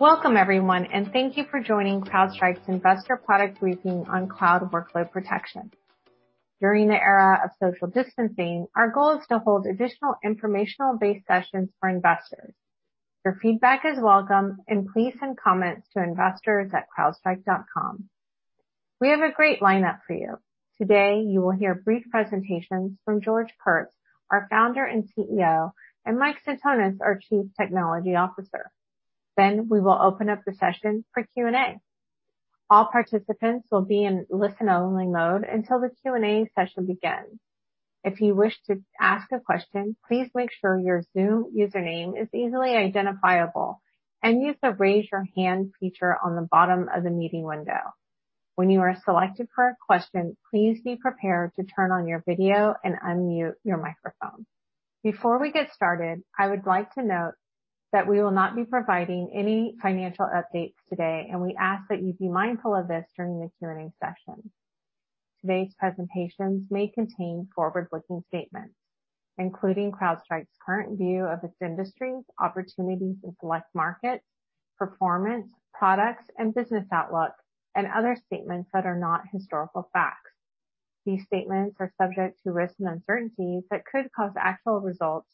Welcome everyone. Thank you for joining CrowdStrike's Investor Product Briefing on cloud workload protection. During the era of social distancing, our goal is to hold additional informational-based sessions for investors. Your feedback is welcome, and please send comments to investors@crowdstrike.com. We have a great lineup for you. Today, you will hear brief presentations from George Kurtz, our Founder and CEO, and Mike Sentonas, our Chief Technology Officer. We will open up the session for Q&A. All participants will be in listen-only mode until the Q&A session begins. If you wish to ask a question, please make sure your Zoom username is easily identifiable and use the Raise Hand feature on the bottom of the meeting window. When you are selected for a question, please be prepared to turn on your video and unmute your microphone. Before we get started, I would like to note that we will not be providing any financial updates today, and we ask that you be mindful of this during the Q&A session. Today's presentations may contain forward-looking statements, including CrowdStrike's current view of its industries, opportunities in select markets, performance, products, and business outlook, and other statements that are not historical facts. These statements are subject to risks and uncertainties that could cause actual results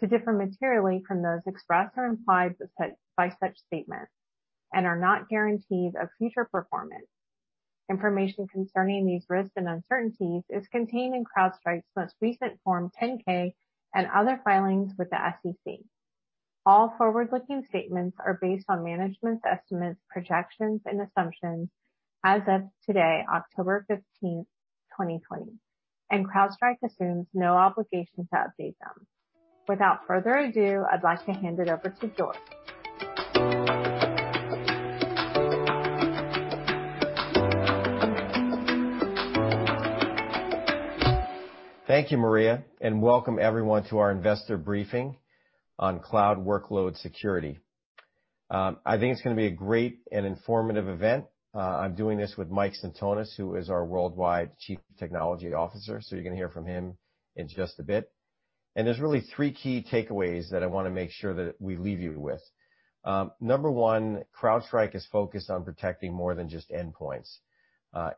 to differ materially from those expressed or implied by such statements and are not guarantees of future performance. Information concerning these risks and uncertainties is contained in CrowdStrike's most recent Form 10-K and other filings with the SEC. All forward-looking statements are based on management's estimates, projections, and assumptions as of today, October 15th, 2020, and CrowdStrike assumes no obligation to update them. Without further ado, I'd like to hand it over to George. Thank you, Maria, welcome everyone to our investor briefing on cloud workload security. I think it's going to be a great and informative event. I'm doing this with Mike Sentonas, who is our worldwide Chief Technology Officer. You're going to hear from him in just a bit. There's really three key takeaways that I want to make sure that we leave you with. Number one, CrowdStrike is focused on protecting more than just endpoints.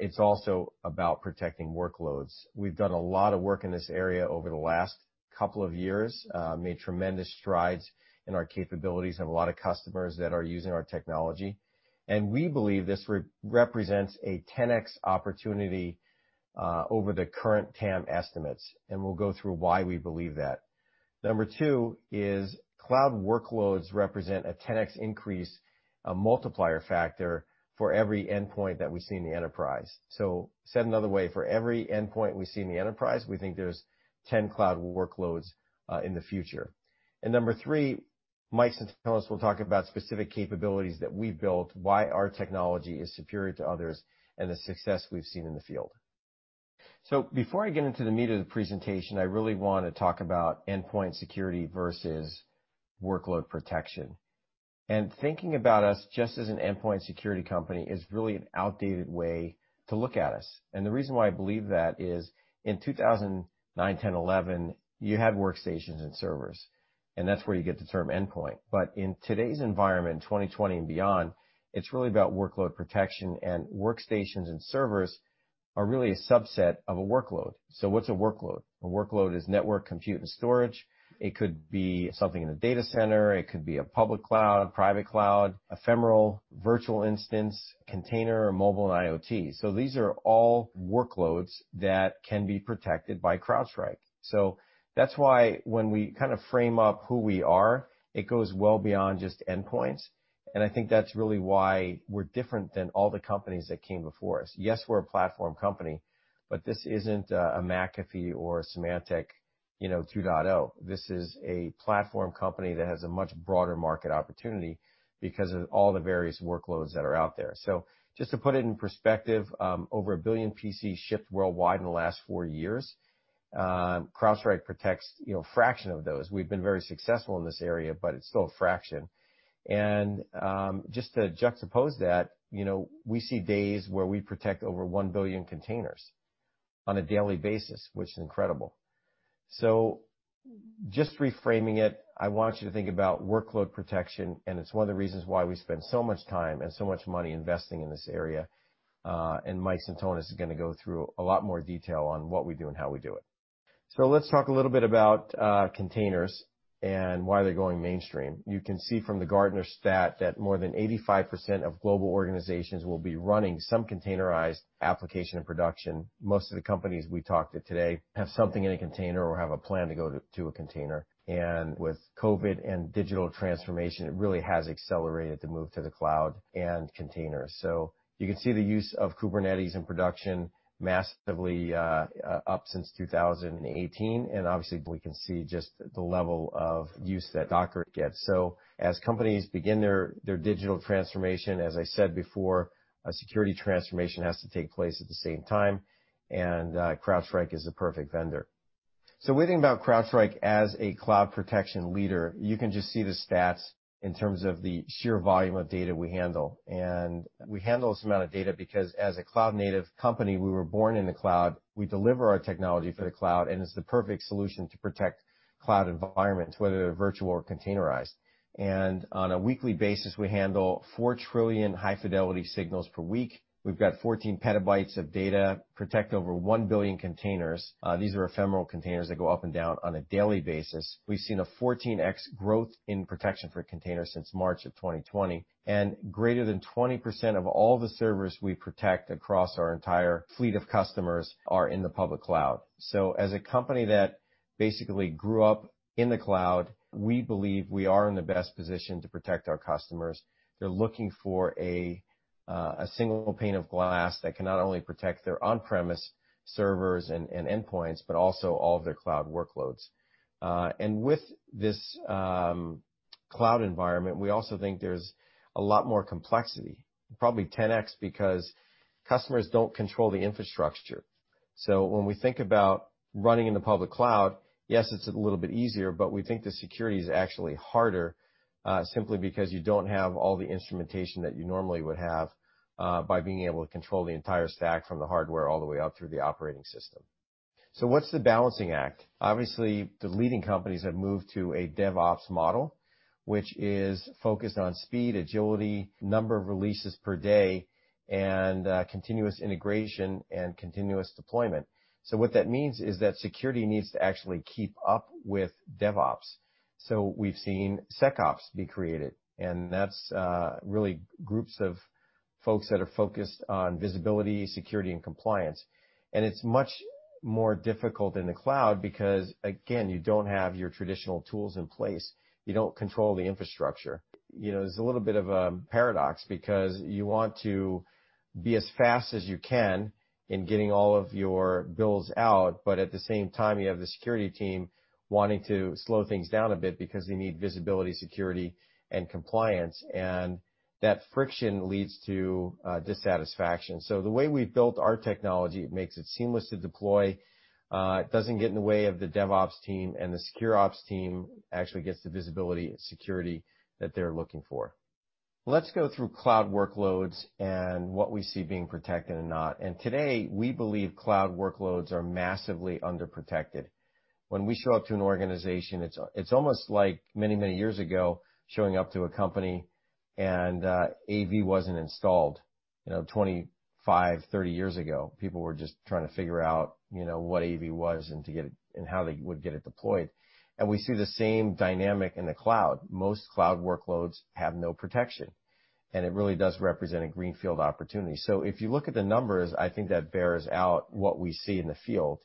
It's also about protecting workloads. We've done a lot of work in this area over the last couple of years, made tremendous strides in our capabilities, have a lot of customers that are using our technology, and we believe this represents a 10x opportunity over the current TAM estimates, and we'll go through why we believe that. Number two is cloud workloads represent a 10x increase multiplier factor for every endpoint that we see in the enterprise. Said another way, for every endpoint we see in the enterprise, we think there's 10 cloud workloads in the future. Number three, Mike Sentonas will talk about specific capabilities that we've built, why our technology is superior to others', and the success we've seen in the field. Before I get into the meat of the presentation, I really want to talk about endpoint security versus workload protection. Thinking about us just as an endpoint security company is really an outdated way to look at us. The reason why I believe that is in 2009, 2010, 2011, you had workstations and servers, and that's where you get the term endpoint. In today's environment, 2020 and beyond, it's really about workload protection, and workstations and servers are really a subset of a workload. What's a workload? A workload is network compute and storage. It could be something in a data center, it could be a public cloud, private cloud, ephemeral virtual instance, container, or mobile and IoT. These are all workloads that can be protected by CrowdStrike. That's why when we kind of frame up who we are, it goes well beyond just endpoints, and I think that's really why we're different than all the companies that came before us. Yes, we're a platform company, but this isn't a McAfee or Symantec 2.0. This is a platform company that has a much broader market opportunity because of all the various workloads that are out there. Just to put it in perspective, over 1 billion PCs shipped worldwide in the last four years. CrowdStrike protects a fraction of those. We've been very successful in this area, but it's still a fraction. Just to juxtapose that, we see days where we protect over 1 billion containers on a daily basis, which is incredible. Just reframing it, I want you to think about workload protection, and it's one of the reasons why we spend so much time and so much money investing in this area. Mike Sentonas is going to go through a lot more detail on what we do and how we do it. Let's talk a little bit about containers and why they're going mainstream. You can see from the Gartner stat that more than 85% of global organizations will be running some containerized application in production. Most of the companies we talked to today have something in a container or have a plan to go to a container. With COVID and digital transformation, it really has accelerated the move to the cloud and containers. You can see the use of Kubernetes in production massively up since 2018, and obviously we can see just the level of use that Docker gets. As companies begin their digital transformation, as I said before, a security transformation has to take place at the same time, and CrowdStrike is the perfect vendor. We think about CrowdStrike as a cloud protection leader. You can just see the stats in terms of the sheer volume of data we handle. We handle this amount of data because as a cloud-native company, we were born in the cloud. We deliver our technology for the cloud, it's the perfect solution to protect cloud environments, whether they're virtual or containerized. On a weekly basis, we handle 4 trillion high-fidelity signals per week. We've got 14 PB of data, protect over 1 billion containers. These are ephemeral containers that go up and down on a daily basis. We've seen a 14x growth in protection for containers since March of 2020, and greater than 20% of all the servers we protect across our entire fleet of customers are in the public cloud. As a company that basically grew up in the cloud, we believe we are in the best position to protect our customers. They're looking for a single pane of glass that can not only protect their on-premise servers and endpoints, but also all of their cloud workloads. With this cloud environment, we also think there's a lot more complexity, probably 10x because customers don't control the infrastructure. When we think about running in the public cloud, yes, it's a little bit easier, but we think the security is actually harder, simply because you don't have all the instrumentation that you normally would have, by being able to control the entire stack from the hardware all the way up through the operating system. What's the balancing act? Obviously, the leading companies have moved to a DevOps model, which is focused on speed, agility, number of releases per day, and continuous integration and continuous deployment. What that means is that security needs to actually keep up with DevOps. We've seen SecOps be created, and that's really groups of folks that are focused on visibility, security, and compliance. It's much more difficult in the cloud because, again, you don't have your traditional tools in place. You don't control the infrastructure. There's a little bit of a paradox because you want to be as fast as you can in getting all of your builds out, but at the same time, you have the security team wanting to slow things down a bit because they need visibility, security, and compliance. That friction leads to dissatisfaction. The way we've built our technology, it makes it seamless to deploy. It doesn't get in the way of the DevOps team, and the SecOps team actually gets the visibility and security that they're looking for. Let's go through cloud workloads and what we see being protected and not. Today, we believe cloud workloads are massively underprotected. When we show up to an organization, it's almost like many, many years ago, showing up to a company and AV wasn't installed. 25, 30 years ago, people were just trying to figure out what AV was and how they would get it deployed. We see the same dynamic in the cloud. Most cloud workloads have no protection, and it really does represent a greenfield opportunity. If you look at the numbers, I think that bears out what we see in the field.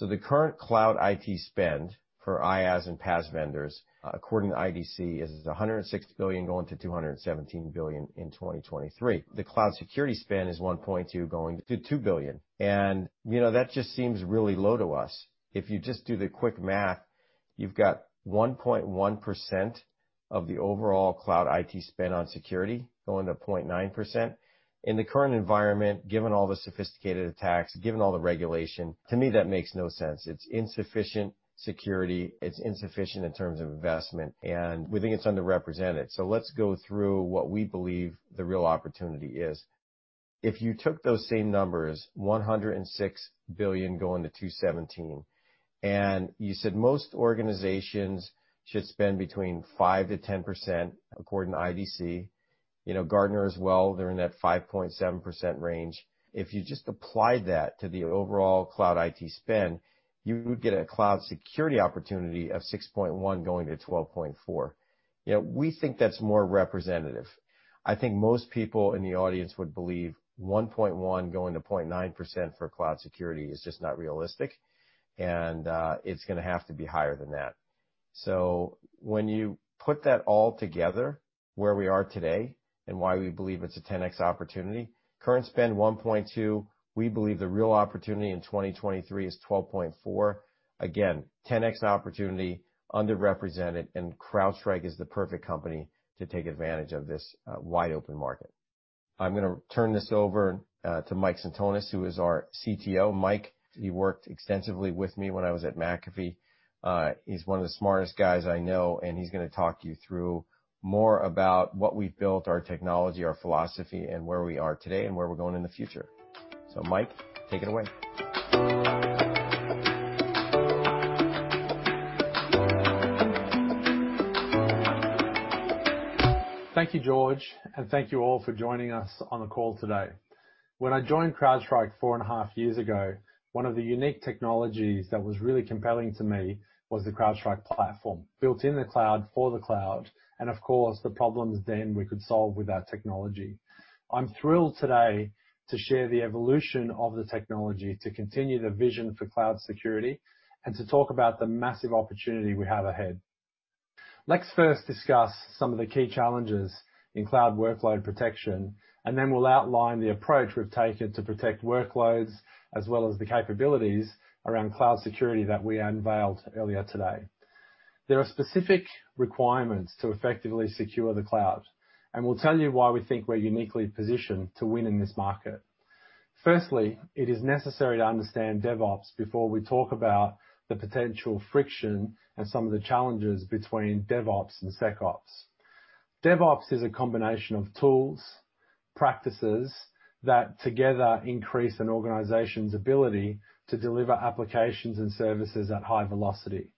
The current cloud IT spend for IaaS and PaaS vendors, according to IDC, is $106 billion going to $217 billion in 2023. The cloud security spend is $1.2 billion going to $2 billion. That just seems really low to us. If you just do the quick math, you've got 1.1% of the overall cloud IT spend on security going to 0.9%. In the current environment, given all the sophisticated attacks, given all the regulation, to me, that makes no sense. It's insufficient security, it's insufficient in terms of investment, and we think it's underrepresented. Let's go through what we believe the real opportunity is. If you took those same numbers, $106 billion going to $217 billion, and you said most organizations should spend between 5%-10%, according to IDC, Gartner as well, they're in that 5.7% range. If you just applied that to the overall cloud IT spend, you would get a cloud security opportunity of $6.1 billion going to $12.4 billion. We think that's more representative. I think most people in the audience would believe 1.1% going to 0.9% for cloud security is just not realistic, and it's going to have to be higher than that. When you put that all together, where we are today and why we believe it's a 10x opportunity, current spend $1.2 billion, we believe the real opportunity in 2023 is $12.4 billion. Again, 10x opportunity underrepresented, and CrowdStrike is the perfect company to take advantage of this wide-open market. I'm going to turn this over to Mike Sentonas, who is our CTO. Mike, he worked extensively with me when I was at McAfee. He's one of the smartest guys I know, and he's going to talk you through more about what we've built, our technology, our philosophy, and where we are today and where we're going in the future. Mike, take it away. Thank you, George, and thank you all for joining us on the call today. When I joined CrowdStrike four and a half years ago, one of the unique technologies that was really compelling to me was the CrowdStrike platform, built in the cloud for the cloud, and of course, the problems then we could solve with that technology. I'm thrilled today to share the evolution of the technology to continue the vision for cloud security and to talk about the massive opportunity we have ahead. Let's first discuss some of the key challenges in cloud workload protection. Then we'll outline the approach we've taken to protect workloads, as well as the capabilities around cloud security that we unveiled earlier today. There are specific requirements to effectively secure the cloud. We'll tell you why we think we're uniquely positioned to win in this market. Firstly, it is necessary to understand DevOps before we talk about the potential friction and some of the challenges between DevOps and SecOps. DevOps is a combination of tools, practices, that together increase an organization's ability to deliver applications and services at high velocity.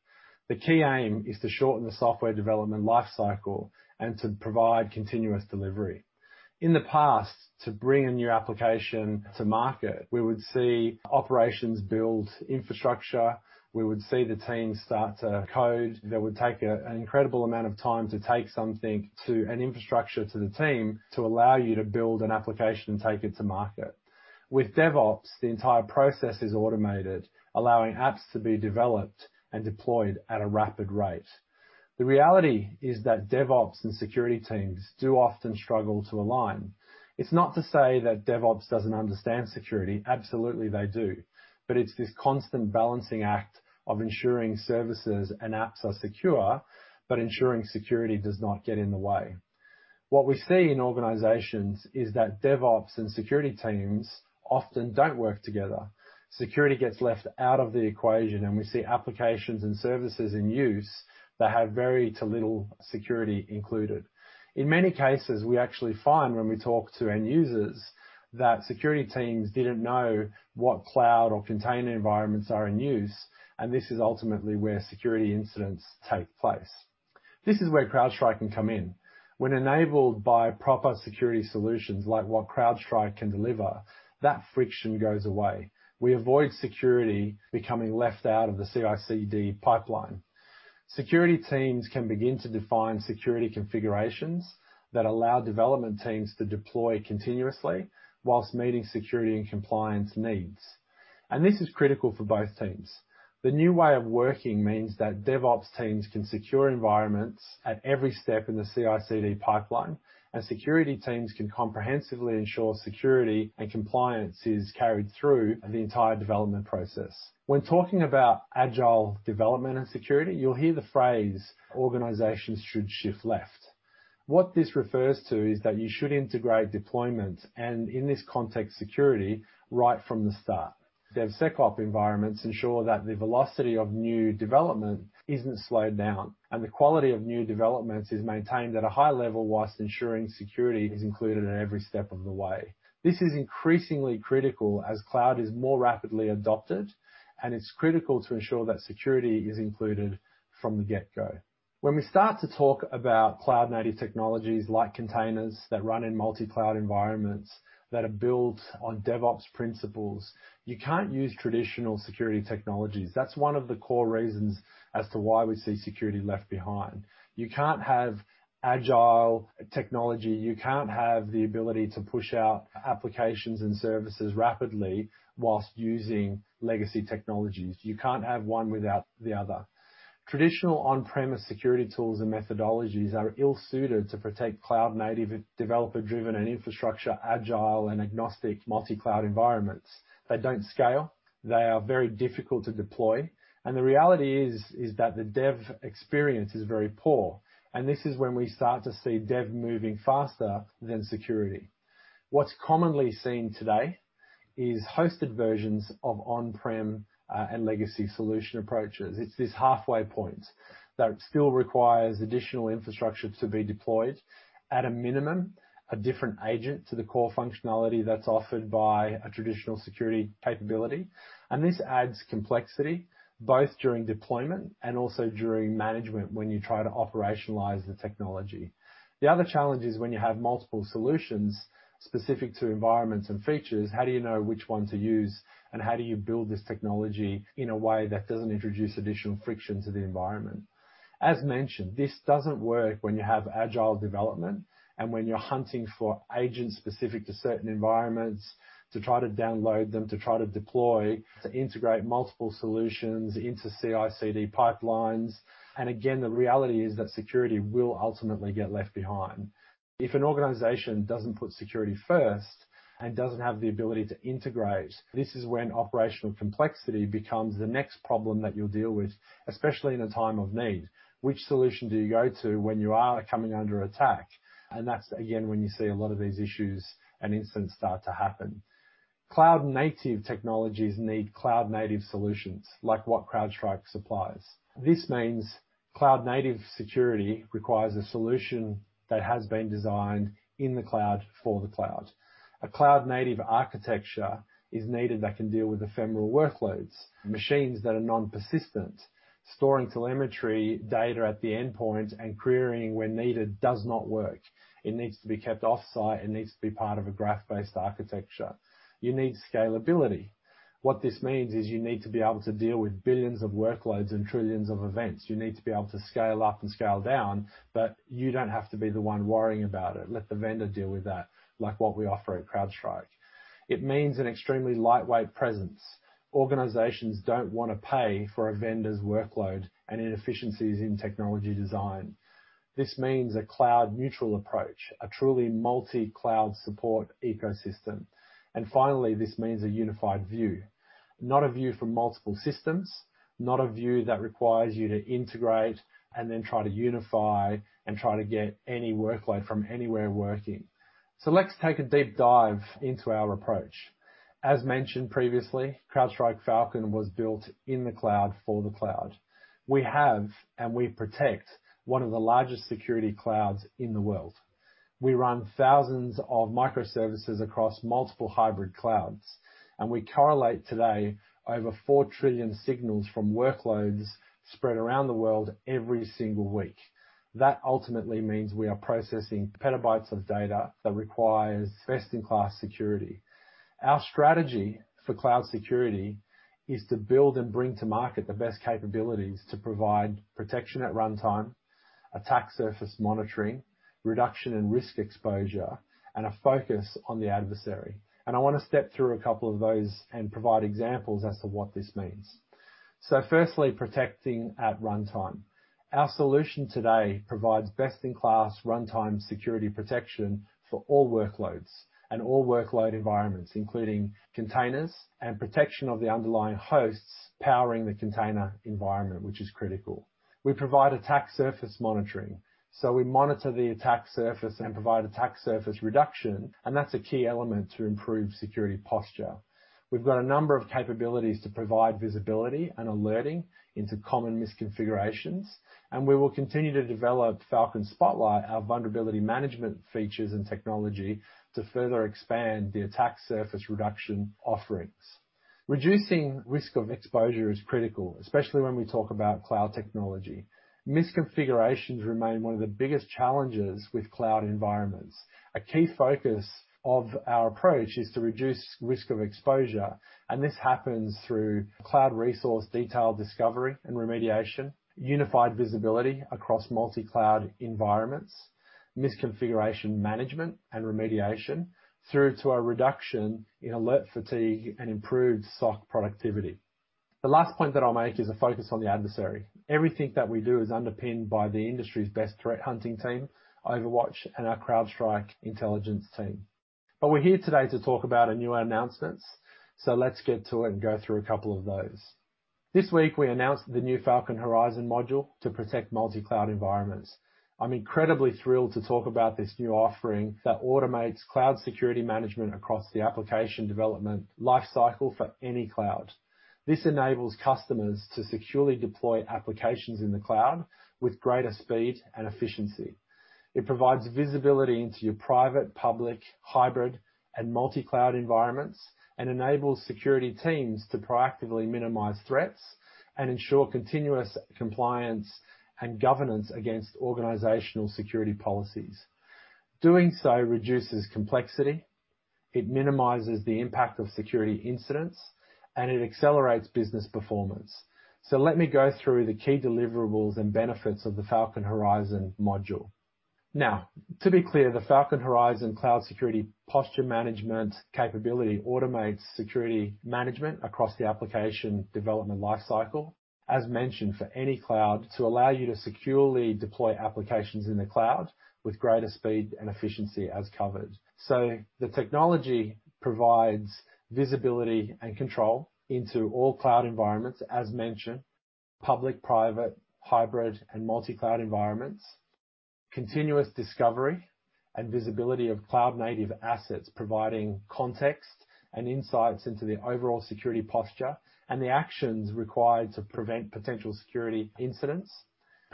The key aim is to shorten the software development life cycle and to provide continuous delivery. In the past, to bring a new application to market, we would see operations build infrastructure, we would see the team start to code. That would take an incredible amount of time to take something to an infrastructure to the team to allow you to build an application and take it to market. With DevOps, the entire process is automated, allowing apps to be developed and deployed at a rapid rate. The reality is that DevOps and security teams do often struggle to align. It's not to say that DevOps doesn't understand security. Absolutely they do. It's this constant balancing act of ensuring services and apps are secure, but ensuring security does not get in the way. What we see in organizations is that DevOps and security teams often don't work together. Security gets left out of the equation, we see applications and services in use that have very little security included. In many cases, we actually find when we talk to end users, that security teams didn't know what cloud or container environments are in use, this is ultimately where security incidents take place. This is where CrowdStrike can come in. When enabled by proper security solutions like what CrowdStrike can deliver, that friction goes away. We avoid security becoming left out of the CI/CD pipeline. Security teams can begin to define security configurations that allow development teams to deploy continuously while meeting security and compliance needs. This is critical for both teams. The new way of working means that DevOps teams can secure environments at every step in the CI/CD pipeline, and security teams can comprehensively ensure security and compliance is carried through the entire development process. When talking about agile development and security, you'll hear the phrase, "Organizations should shift left." What this refers to is that you should integrate deployment, and in this context, security, right from the start. The SecOp environments ensure that the velocity of new development isn't slowed down, and the quality of new developments is maintained at a high level while ensuring security is included in every step of the way. This is increasingly critical as cloud is more rapidly adopted. It's critical to ensure that security is included from the get-go. When we start to talk about cloud-native technologies like containers that run in multi-cloud environments that are built on DevOps principles, you can't use traditional security technologies. That's one of the core reasons as to why we see security left behind. You can't have agile technology. You can't have the ability to push out applications and services rapidly whilst using legacy technologies. You can't have one without the other. Traditional on-premise security tools and methodologies are ill-suited to protect cloud-native, developer-driven, and infrastructure, agile and agnostic multi-cloud environments. They don't scale, they are very difficult to deploy. The reality is that the Dev experience is very poor. This is when we start to see Dev moving faster than security. What's commonly seen today is hosted versions of on-prem and legacy solution approaches. It's this halfway point that still requires additional infrastructure to be deployed, at a minimum, a different agent to the core functionality that's offered by a traditional security capability, and this adds complexity both during deployment and also during management when you try to operationalize the technology. The other challenge is when you have multiple solutions specific to environments and features, how do you know which one to use, and how do you build this technology in a way that doesn't introduce additional friction to the environment? As mentioned, this doesn't work when you have agile development and when you're hunting for agents specific to certain environments to try to download them, to try to deploy, to integrate multiple solutions into CI/CD pipelines. Again, the reality is that security will ultimately get left behind. If an organization doesn't put security first and doesn't have the ability to integrate, this is when operational complexity becomes the next problem that you'll deal with, especially in a time of need. Which solution do you go to when you are coming under attack? That's again, when you see a lot of these issues and incidents start to happen. Cloud-native technologies need cloud-native solutions, like what CrowdStrike supplies. This means cloud-native security requires a solution that has been designed in the cloud for the cloud. A cloud-native architecture is needed that can deal with ephemeral workloads, machines that are non-persistent, storing telemetry data at the endpoint, and querying when needed does not work. It needs to be kept off-site. It needs to be part of a graph-based architecture. You need scalability. What this means is you need to be able to deal with billions of workloads and trillions of events. You need to be able to scale up and scale down, but you don't have to be the one worrying about it. Let the vendor deal with that, like what we offer at CrowdStrike. It means an extremely lightweight presence. Organizations don't want to pay for a vendor's workload and inefficiencies in technology design. This means a cloud-neutral approach, a truly multi-cloud support ecosystem. Finally, this means a unified view. Not a view from multiple systems, not a view that requires you to integrate and then try to unify and try to get any workload from anywhere working. Let's take a deep dive into our approach. As mentioned previously, CrowdStrike Falcon was built in the cloud for the cloud. We have, and we protect one of the largest security clouds in the world. We run thousands of microservices across multiple hybrid clouds, and we correlate today over 4 trillion signals from workloads spread around the world every single week. That ultimately means we are processing petabytes of data that requires best-in-class security. Our strategy for cloud security is to build and bring to market the best capabilities to provide protection at runtime, attack surface monitoring, reduction in risk exposure, and a focus on the adversary. I want to step through a couple of those and provide examples as to what this means. Firstly, protecting at runtime. Our solution today provides best-in-class runtime security protection for all workloads and all workload environments, including containers and protection of the underlying hosts powering the container environment, which is critical. We provide attack surface monitoring. We monitor the attack surface and provide attack surface reduction, and that's a key element to improve security posture. We've got a number of capabilities to provide visibility and alerting into common misconfigurations, and we will continue to develop Falcon Spotlight, our vulnerability management features and technology, to further expand the attack surface reduction offerings. Reducing risk of exposure is critical, especially when we talk about cloud technology. Misconfigurations remain one of the biggest challenges with cloud environments. A key focus of our approach is to reduce risk of exposure, and this happens through cloud resource detail discovery and remediation, unified visibility across multi-cloud environments, misconfiguration management and remediation, through to a reduction in alert fatigue and improved SOC productivity. The last point that I'll make is a focus on the adversary. Everything that we do is underpinned by the industry's best threat hunting team, OverWatch, and our CrowdStrike Intelligence Team. We're here today to talk about a new announcement. Let's get to it and go through a couple of those. This week, we announced the new Falcon Horizon module to protect multi-cloud environments. I'm incredibly thrilled to talk about this new offering that automates cloud security management across the application development lifecycle for any cloud. This enables customers to securely deploy applications in the cloud with greater speed and efficiency. It provides visibility into your private, public, hybrid, and multi-cloud environments and enables security teams to proactively minimize threats and ensure continuous compliance and governance against organizational security policies. Doing so reduces complexity, it minimizes the impact of security incidents, and it accelerates business performance. Let me go through the key deliverables and benefits of the Falcon Horizon module. Now, to be clear, the Falcon Horizon Cloud Security Posture Management capability automates security management across the application development lifecycle, as mentioned, for any cloud, to allow you to securely deploy applications in the cloud with greater speed and efficiency as covered. The technology provides visibility and control into all cloud environments, as mentioned, public, private, hybrid, and multi-cloud environments. Continuous discovery and visibility of cloud-native assets, providing context and insights into the overall security posture and the actions required to prevent potential security incidents.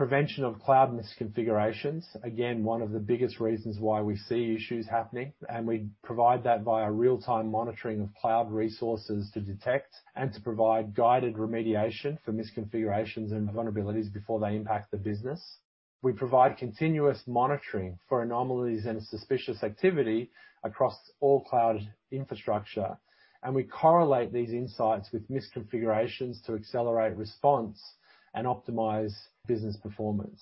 Prevention of cloud misconfigurations, again, one of the biggest reasons why we see issues happening, and we provide that via real-time monitoring of cloud resources to detect and to provide guided remediation for misconfigurations and vulnerabilities before they impact the business. We provide continuous monitoring for anomalies and suspicious activity across all cloud infrastructure, and we correlate these insights with misconfigurations to accelerate response and optimize business performance.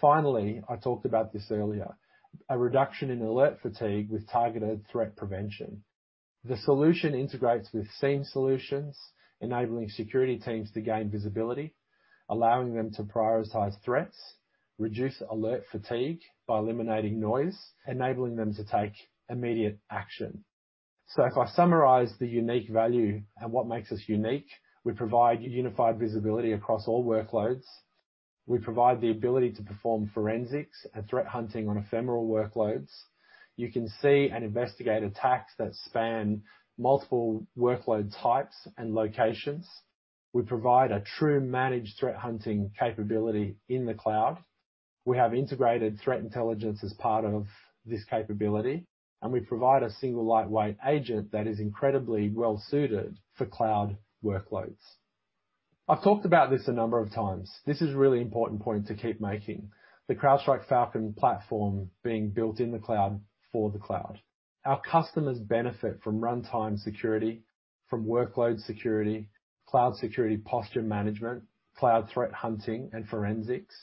Finally, I talked about this earlier, a reduction in alert fatigue with targeted threat prevention. The solution integrates with SIEM solutions, enabling security teams to gain visibility, allowing them to prioritize threats, reduce alert fatigue by eliminating noise, enabling them to take immediate action. If I summarize the unique value and what makes us unique, we provide unified visibility across all workloads. We provide the ability to perform forensics and threat hunting on ephemeral workloads. You can see and investigate attacks that span multiple workload types and locations. We provide a true managed threat hunting capability in the cloud. We have integrated threat intelligence as part of this capability, and we provide a single lightweight agent that is incredibly well-suited for cloud workloads. I've talked about this a number of times. This is a really important point to keep making. The CrowdStrike Falcon platform being built in the cloud for the cloud. Our customers benefit from runtime security, from workload security, cloud security posture management, cloud threat hunting and forensics.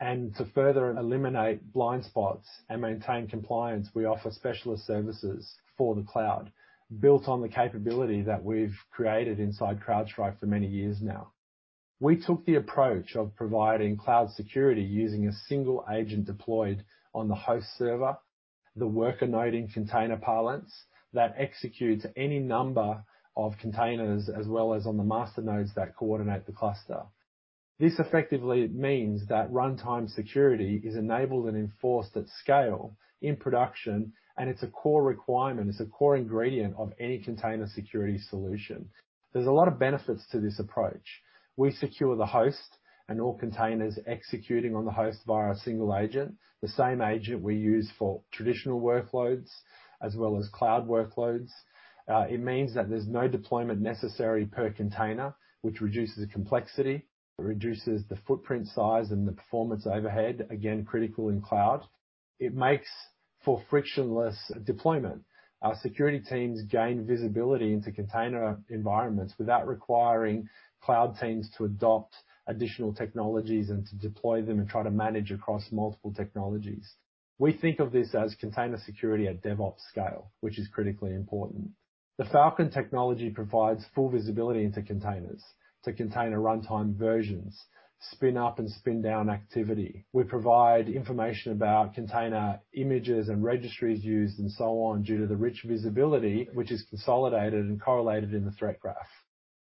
To further eliminate blind spots and maintain compliance, we offer specialist services for the cloud built on the capability that we've created inside CrowdStrike for many years now. We took the approach of providing cloud security using a single agent deployed on the host server, the worker node in container pods that executes any number of containers, as well as on the master nodes that coordinate the cluster. This effectively means that runtime security is enabled and enforced at scale in production, and it's a core requirement, it's a core ingredient of any container security solution. There's a lot of benefits to this approach. We secure the host and all containers executing on the host via a single agent, the same agent we use for traditional workloads as well as cloud workloads. It means that there's no deployment necessary per container, which reduces the complexity, it reduces the footprint size and the performance overhead, again critical in cloud. It makes for frictionless deployment. Our security teams gain visibility into container environments without requiring cloud teams to adopt additional technologies and to deploy them and try to manage across multiple technologies. We think of this as container security at DevOps scale, which is critically important. The Falcon technology provides full visibility into containers, to container runtime versions, spin-up and spin-down activity. We provide information about container images and registries used, and so on, due to the rich visibility which is consolidated and correlated in the Threat Graph.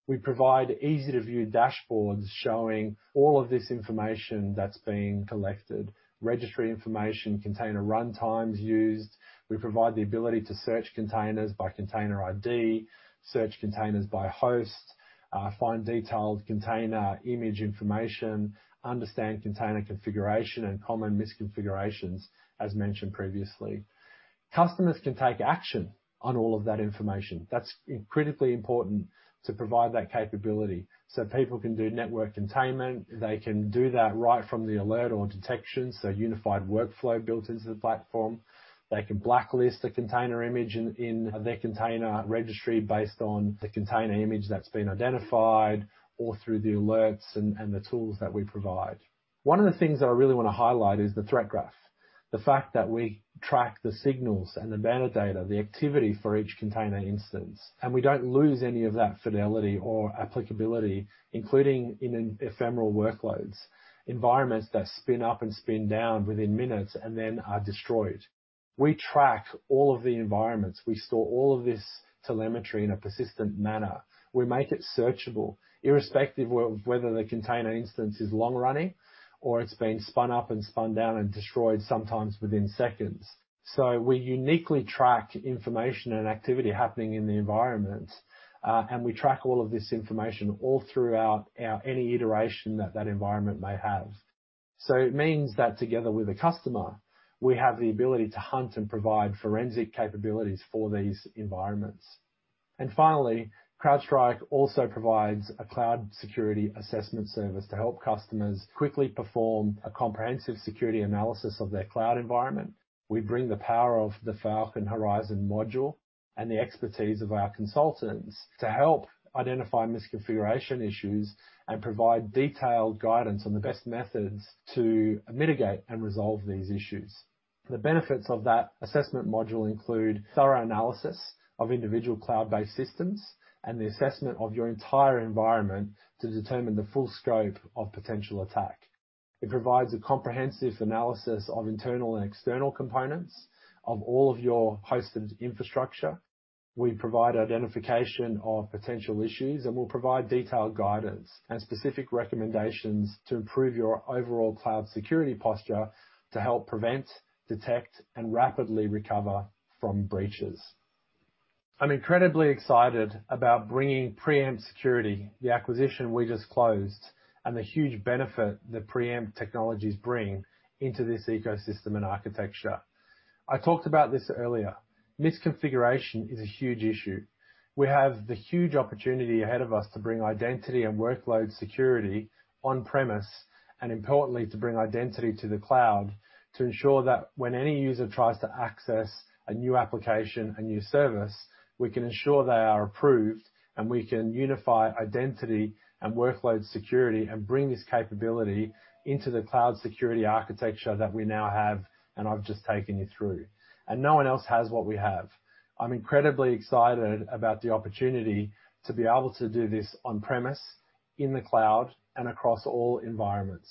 We provide easy-to-view dashboards showing all of this information that's being collected, registry information, container runtimes used. We provide the ability to search containers by container ID, search containers by host, find detailed container image information, understand container configuration and common misconfigurations as mentioned previously. Customers can take action on all of that information. That's critically important to provide that capability. People can do network containment. They can do that right from the alert or detection, so unified workflow built into the platform. They can blacklist a container image in their container registry based on the container image that's been identified, all through the alerts and the tools that we provide. One of the things that I really want to highlight is the Threat Graph. The fact that we track the signals and the metadata, the activity for each container instance, and we don't lose any of that fidelity or applicability, including in ephemeral workloads, environments that spin up and spin down within minutes and then are destroyed. We track all of the environments. We store all of this telemetry in a persistent manner. We make it searchable, irrespective of whether the container instance is long-running or it's been spun up and spun down and destroyed, sometimes within seconds. We uniquely track information and activity happening in the environment, and we track all of this information all throughout any iteration that that environment may have. It means that together with a customer, we have the ability to hunt and provide forensic capabilities for these environments. Finally, CrowdStrike also provides a Cloud Security Assessment service to help customers quickly perform a comprehensive security analysis of their cloud environment. We bring the power of the Falcon Horizon module and the expertise of our consultants to help identify misconfiguration issues and provide detailed guidance on the best methods to mitigate and resolve these issues. The benefits of that assessment module include thorough analysis of individual cloud-based systems and the assessment of your entire environment to determine the full scope of potential attack. It provides a comprehensive analysis of internal and external components of all of your hosted infrastructure. We provide identification of potential issues. We'll provide detailed guidance and specific recommendations to improve your overall cloud security posture to help prevent, detect, and rapidly recover from breaches. I'm incredibly excited about bringing Preempt Security, the acquisition we just closed. The huge benefit that Preempt technologies bring into this ecosystem and architecture. I talked about this earlier. Misconfiguration is a huge issue. We have the huge opportunity ahead of us to bring identity and workload security on-premise. Importantly, to bring identity to the cloud to ensure that when any user tries to access a new application, a new service, we can ensure they are approved. We can unify identity and workload security and bring this capability into the cloud security architecture that we now have and I've just taken you through. No one else has what we have. I'm incredibly excited about the opportunity to be able to do this on-premise, in the cloud, and across all environments.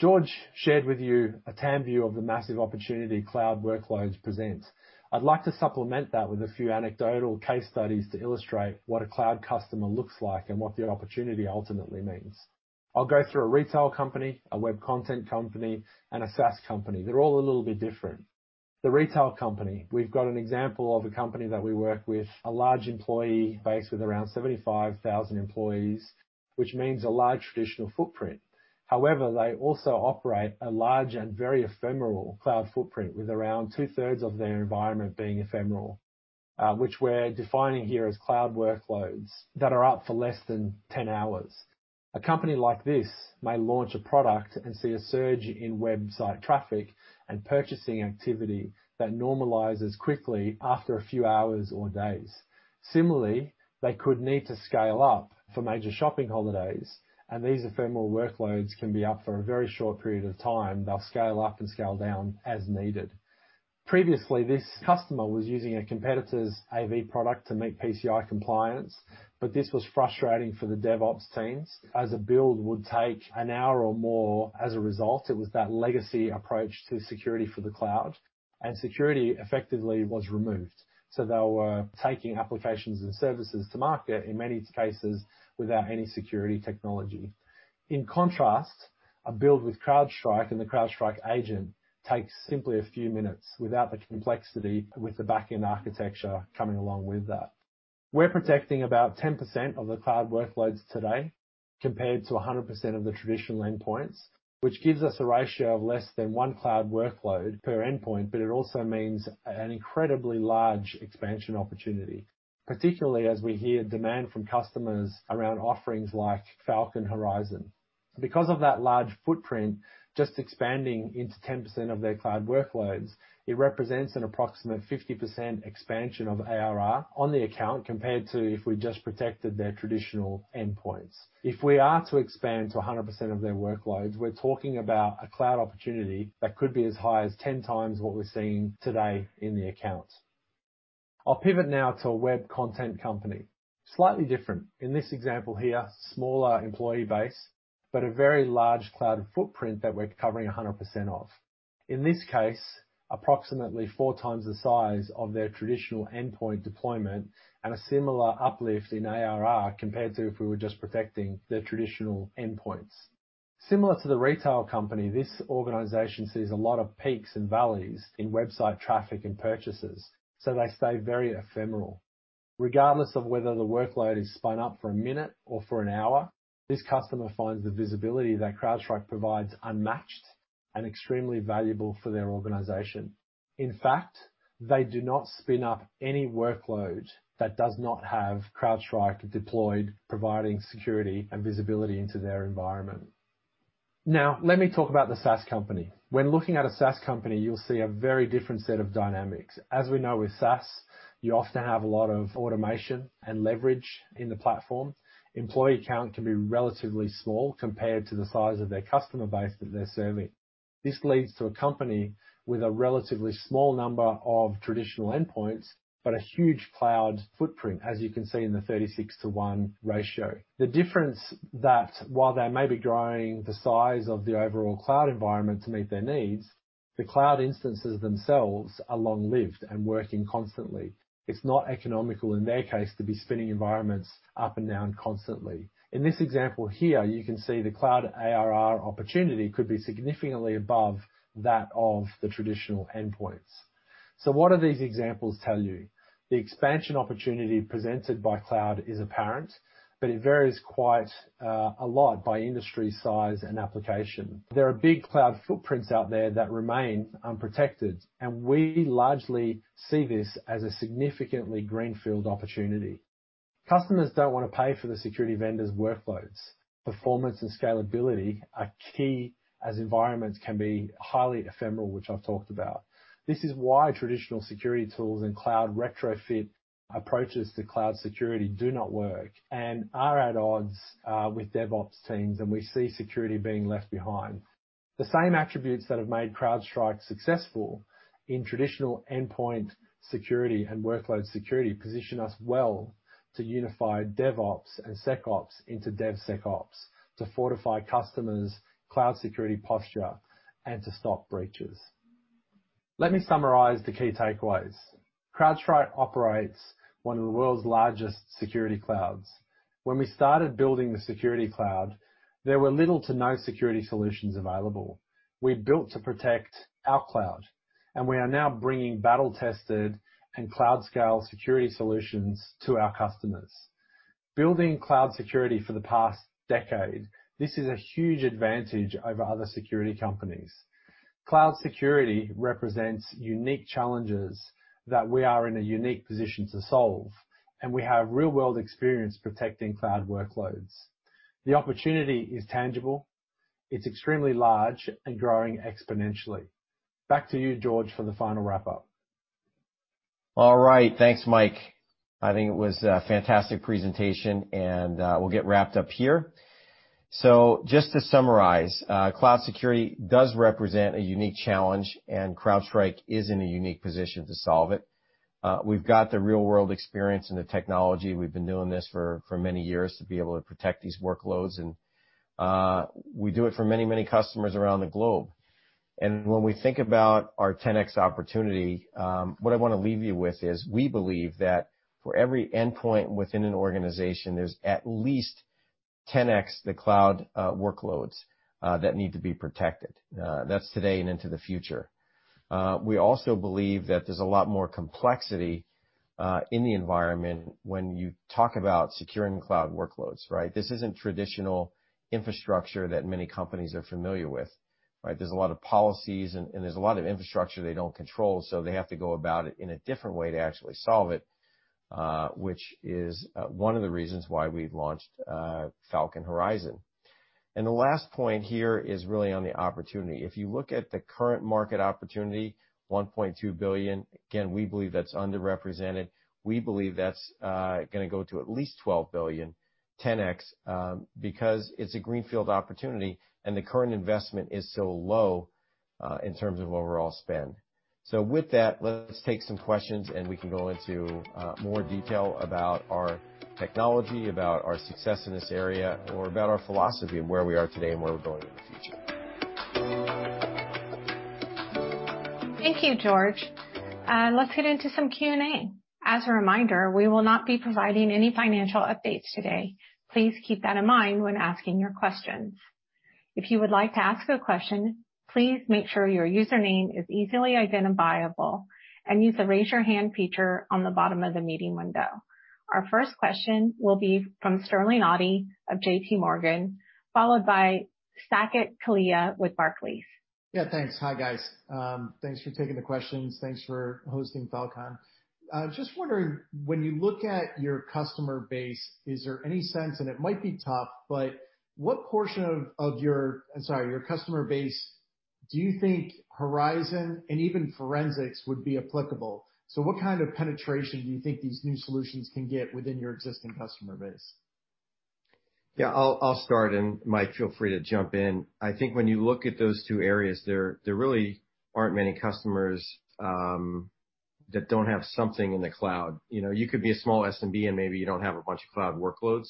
George shared with you a TAM view of the massive opportunity cloud workloads present. I'd like to supplement that with a few anecdotal case studies to illustrate what a cloud customer looks like and what the opportunity ultimately means. I'll go through a retail company, a web content company, and a SaaS company. They're all a little bit different. The retail company. We've got an example of a company that we work with, a large employee base with around 75,000 employees, which means a large traditional footprint. However, they also operate a large and very ephemeral cloud footprint with around two-thirds of their environment being ephemeral, which we're defining here as cloud workloads that are up for less than 10 hours. A company like this may launch a product and see a surge in website traffic and purchasing activity that normalizes quickly after a few hours or days. Similarly, they could need to scale up for major shopping holidays, and these ephemeral workloads can be up for a very short period of time. They'll scale up and scale down as needed. Previously, this customer was using a competitor's AV product to meet PCI compliance, but this was frustrating for the DevOps teams as a build would take an hour or more as a result. It was that legacy approach to security for the cloud, and security effectively was removed. They were taking applications and services to market, in many cases, without any security technology. In contrast, a build with CrowdStrike and the CrowdStrike agent takes simply a few minutes without the complexity, with the back-end architecture coming along with that. We're protecting about 10% of the cloud workloads today, compared to 100% of the traditional endpoints, which gives us a ratio of less than one cloud workload per endpoint. It also means an incredibly large expansion opportunity, particularly as we hear demand from customers around offerings like Falcon Horizon. Because of that large footprint, just expanding into 10% of their cloud workloads, it represents an approximate 50% expansion of ARR on the account compared to if we just protected their traditional endpoints. If we are to expand to 100% of their workloads, we're talking about a cloud opportunity that could be as high as 10x what we're seeing today in the account. I'll pivot now to a web content company. Slightly different. In this example here, smaller employee base, a very large cloud footprint that we're covering 100% of. In this case, approximately 4x the size of their traditional endpoint deployment and a similar uplift in ARR compared to if we were just protecting their traditional endpoints. Similar to the retail company, this organization sees a lot of peaks and valleys in website traffic and purchases, so they stay very ephemeral. Regardless of whether the workload is spun up for a minute or for an hour, this customer finds the visibility that CrowdStrike provides unmatched and extremely valuable for their organization. In fact, they do not spin up any workload that does not have CrowdStrike deployed, providing security and visibility into their environment. Now, let me talk about the SaaS company. When looking at a SaaS company, you'll see a very different set of dynamics. As we know with SaaS, you often have a lot of automation and leverage in the platform. Employee count can be relatively small compared to the size of their customer base that they're serving. This leads to a company with a relatively small number of traditional endpoints, but a huge cloud footprint, as you can see in the 36:1 ratio. The difference that while they may be growing the size of the overall cloud environment to meet their needs, the cloud instances themselves are long-lived and working constantly. It's not economical in their case to be spinning environments up and down constantly. In this example here, you can see the cloud ARR opportunity could be significantly above that of the traditional endpoints. What do these examples tell you? The expansion opportunity presented by cloud is apparent, but it varies quite a lot by industry size and application. There are big cloud footprints out there that remain unprotected. We largely see this as a significantly greenfield opportunity. Customers don't want to pay for the security vendor's workloads. Performance and scalability are key as environments can be highly ephemeral, which I've talked about. This is why traditional security tools and cloud retrofit approaches to cloud security do not work and are at odds with DevOps teams, and we see security being left behind. The same attributes that have made CrowdStrike successful in traditional endpoint security and workload security position us well to unify DevOps and SecOps into DevSecOps to fortify customers' cloud security posture and to stop breaches. Let me summarize the key takeaways. CrowdStrike operates one of the world's largest security clouds. When we started building the security cloud, there were little to no security solutions available. We built to protect our cloud, and we are now bringing battle-tested and cloud scale security solutions to our customers. Building cloud security for the past decade, this is a huge advantage over other security companies. Cloud security represents unique challenges that we are in a unique position to solve, and we have real-world experience protecting cloud workloads. The opportunity is tangible. It's extremely large and growing exponentially. Back to you, George, for the final wrap-up. All right. Thanks, Mike. I think it was a fantastic presentation, and we'll get wrapped up here. Just to summarize, cloud security does represent a unique challenge, and CrowdStrike is in a unique position to solve it. We've got the real-world experience and the technology. We've been doing this for many years to be able to protect these workloads, and we do it for many customers around the globe. When we think about our 10x opportunity, what I want to leave you with is we believe that for every endpoint within an organization, there's at least 10x the cloud workloads that need to be protected. That's today and into the future. We also believe that there's a lot more complexity in the environment when you talk about securing cloud workloads, right? This isn't traditional infrastructure that many companies are familiar with, right? There's a lot of policies and there's a lot of infrastructure they don't control, so they have to go about it in a different way to actually solve it, which is one of the reasons why we've launched Falcon Horizon. The last point here is really on the opportunity. If you look at the current market opportunity, $1.2 billion, again, we believe that's underrepresented. We believe that's going to go to at least $12 billion, 10x, because it's a greenfield opportunity and the current investment is so low in terms of overall spend. With that, let's take some questions, and we can go into more detail about our technology, about our success in this area, or about our philosophy and where we are today and where we're going in the future. Thank you, George. Let's get into some Q&A. As a reminder, we will not be providing any financial updates today. Please keep that in mind when asking your questions. If you would like to ask a question, please make sure your username is easily identifiable and use the Raise Your Hand feature on the bottom of the meeting window. Our first question will be from Sterling Auty of JPMorgan, followed by Saket Kalia with Barclays. Yeah, thanks. Hi, guys. Thanks for taking the questions. Thanks for hosting Fal.Con. Just wondering, when you look at your customer base, is there any sense, and it might be tough, but what portion of your customer base do you think Horizon and even Forensics would be applicable? What kind of penetration do you think these new solutions can get within your existing customer base? Yeah, I'll start, and Mike, feel free to jump in. I think when you look at those two areas, there really aren't many customers that don't have something in the cloud. You could be a small SMB and maybe you don't have a bunch of cloud workloads,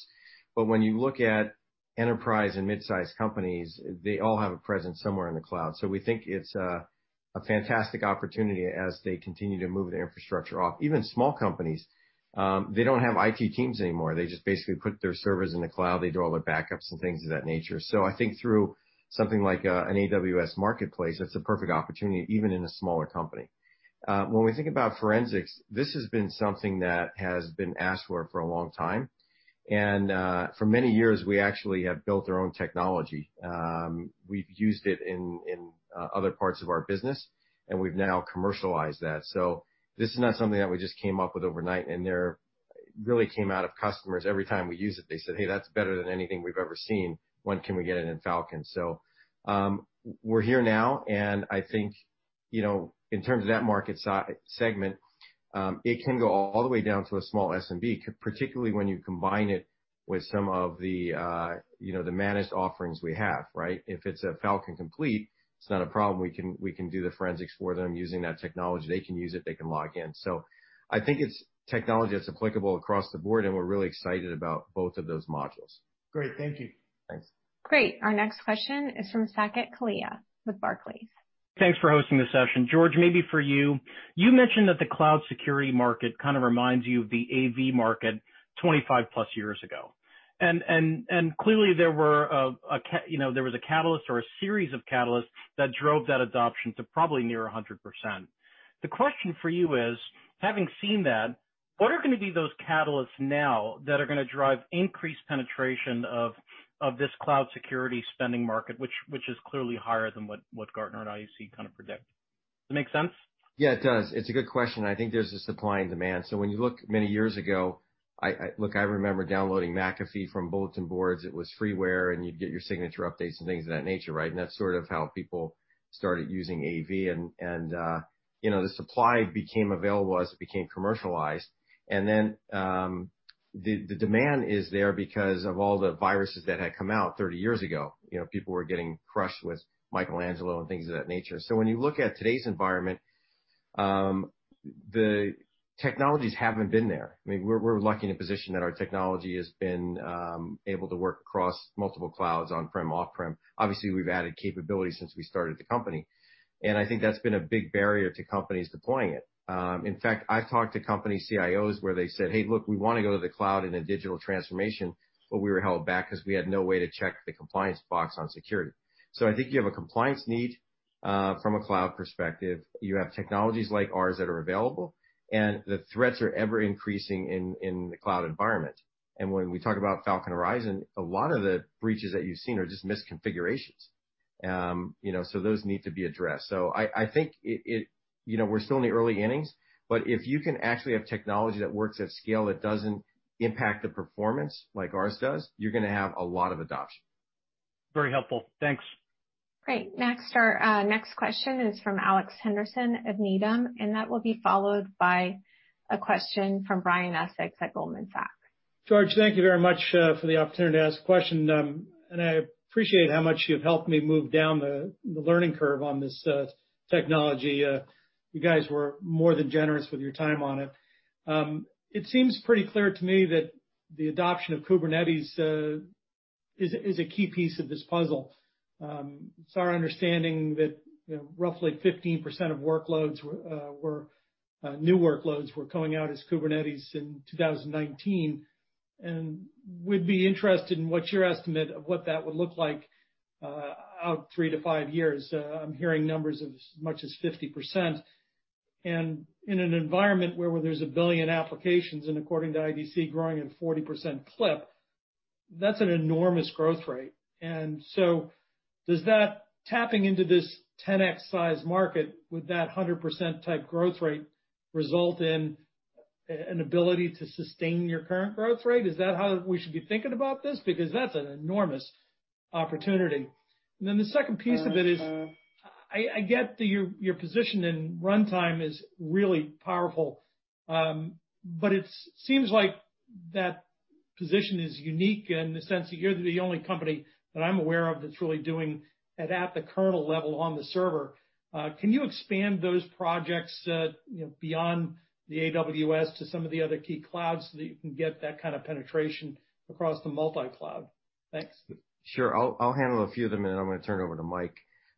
but when you look at enterprise and mid-size companies, they all have a presence somewhere in the cloud. We think it's a fantastic opportunity as they continue to move their infrastructure off. Even small companies, they don't have IT teams anymore. They just basically put their servers in the cloud. They do all their backups and things of that nature. I think through something like an AWS Marketplace, that's a perfect opportunity, even in a smaller company. When we think about Forensics, this has been something that has been asked for for a long time. For many years, we actually have built our own technology. We've used it in other parts of our business, and we've now commercialized that. This is not something that we just came up with overnight, and they really came out of customers. Every time we use it, they said, "Hey, that's better than anything we've ever seen. When can we get it in Falcon?" We're here now, and I think in terms of that market segment, it can go all the way down to a small SMB, particularly when you combine it with some of the managed offerings we have, right? If it's a Falcon Complete, it's not a problem. We can do the forensics for them using that technology. They can use it, they can log in. I think it's technology that's applicable across the board, and we're really excited about both of those modules. Great. Thank you. Thanks. Great. Our next question is from Saket Kalia with Barclays. Thanks for hosting this session. George, maybe for you. You mentioned that the cloud security market kind of reminds you of the AV market 25+ years ago. Clearly there was a catalyst or a series of catalysts that drove that adoption to probably near 100%. The question for you is, having seen that, what are going to be those catalysts now that are going to drive increased penetration of this cloud security spending market, which is clearly higher than what Gartner and IDC kind of predict? Does that make sense? Yeah, it does. It's a good question. I think there's the supply and demand. When you look many years ago, I remember downloading McAfee from bulletin boards. It was freeware, you'd get your signature updates and things of that nature, right? That's sort of how people started using AV. The supply became available as it became commercialized. The demand is there because of all the viruses that had come out 30 years ago. People were getting crushed with Michelangelo and things of that nature. When you look at today's environment, the technologies haven't been there. We're lucky in a position that our technology has been able to work across multiple clouds, on-prem, off-prem. Obviously, we've added capabilities since we started the company. I think that's been a big barrier to companies deploying it. In fact, I've talked to company CIOs where they said, "Hey, look, we want to go to the cloud in a digital transformation, but we were held back because we had no way to check the compliance box on security." I think you have a compliance need from a cloud perspective. You have technologies like ours that are available, the threats are ever-increasing in the cloud environment. When we talk about Falcon Horizon, a lot of the breaches that you've seen are just misconfigurations. Those need to be addressed. I think we're still in the early innings, but if you can actually have technology that works at scale, that doesn't impact the performance like ours does, you're going to have a lot of adoption. Very helpful. Thanks. Great. Our next question is from Alex Henderson of Needham, and that will be followed by a question from Brian Essex at Goldman Sachs. George, thank you very much for the opportunity to ask a question. I appreciate how much you've helped me move down the learning curve on this technology. You guys were more than generous with your time on it. It seems pretty clear to me that the adoption of Kubernetes is a key piece of this puzzle. It's our understanding that roughly 15% of new workloads were coming out as Kubernetes in 2019, we'd be interested in what your estimate of what that would look like out three to five years. I'm hearing numbers of as much as 50%. In an environment where there's a billion applications and according to IDC, growing at 40% clip, that's an enormous growth rate. Does that tapping into this 10x size market with that 100% type growth rate result in an ability to sustain your current growth rate? Is that how we should be thinking about this? That's an enormous opportunity. The second piece of it is, I get that your position in runtime is really powerful. It seems like your position is unique in the sense that you're the only company that I'm aware of that's really doing it at the kernel level on the server. Can you expand those projects, beyond the AWS to some of the other key clouds so that you can get that kind of penetration across the multi-cloud? Thanks. Sure. I'll handle a few of them, and I'm going to turn it over to Mike.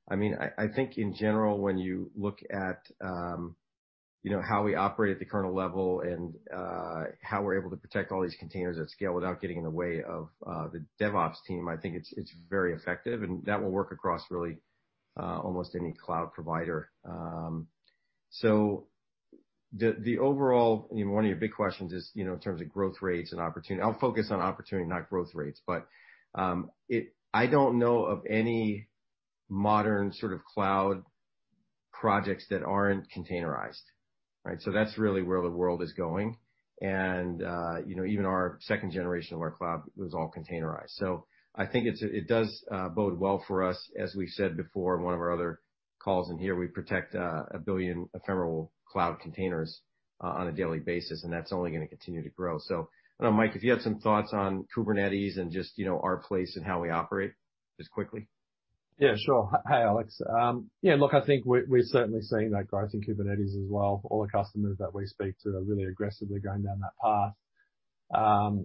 I think in general, when you look at how we operate at the kernel level and how we're able to protect all these containers at scale without getting in the way of the DevOps team, I think it's very effective, and that will work across really almost any cloud provider. The overall, one of your big questions is, in terms of growth rates and opportunity. I'll focus on opportunity, not growth rates, but, I don't know of any modern cloud projects that aren't containerized. That's really where the world is going. Even our 2nd generation of our cloud was all containerized. I think it does bode well for us. As we've said before in one of our other calls in here, we protect a billion ephemeral cloud containers on a daily basis, and that's only going to continue to grow. I don't know, Mike, if you have some thoughts on Kubernetes and just our place and how we operate, just quickly. Yeah, sure. Hey, Alex. Yeah, look, I think we're certainly seeing that growth in Kubernetes as well. All the customers that we speak to are really aggressively going down that path,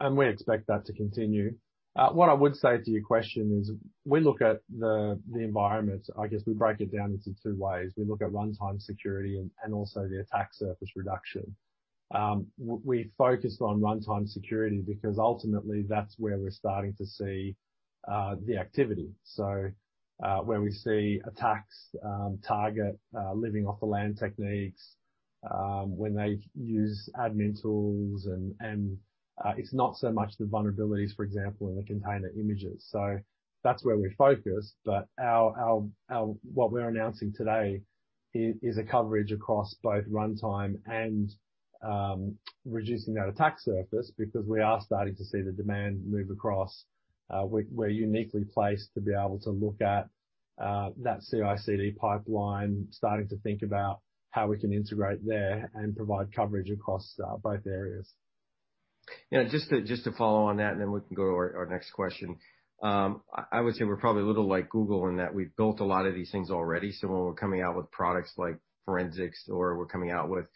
and we expect that to continue. What I would say to your question is, we look at the environments, I guess we break it down into two ways. We look at runtime security and also the attack surface reduction. We focus on runtime security because ultimately that's where we're starting to see the activity. Where we see attacks target living off the land techniques, when they use admin tools and it's not so much the vulnerabilities, for example, in the container images. That's where we're focused. What we're announcing today is a coverage across both runtime and reducing that attack surface because we are starting to see the demand move across. We're uniquely placed to be able to look at that CI/CD pipeline, starting to think about how we can integrate there and provide coverage across both areas. Just to follow on that, then we can go to our next question. I would say we're probably a little like Google in that we've built a lot of these things already. When we're coming out with products like Forensics or we're coming out with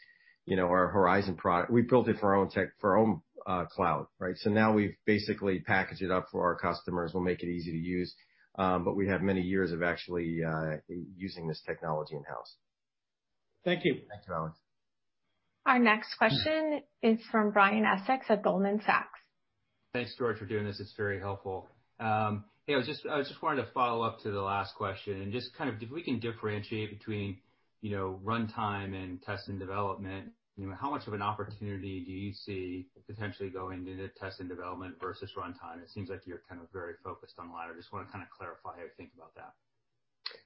our Horizon product, we built it for our own cloud, right? Now we've basically packaged it up for our customers. We'll make it easy to use, we have many years of actually using this technology in-house. Thank you. Thanks, Alex. Our next question is from Brian Essex at Goldman Sachs. Thanks, George, for doing this. It's very helpful. Hey, I just wanted to follow up to the last question and just if we can differentiate between runtime and test and development, how much of an opportunity do you see potentially going into test and development versus runtime? It seems like you're very focused on the latter. Just want to clarify how you think about that.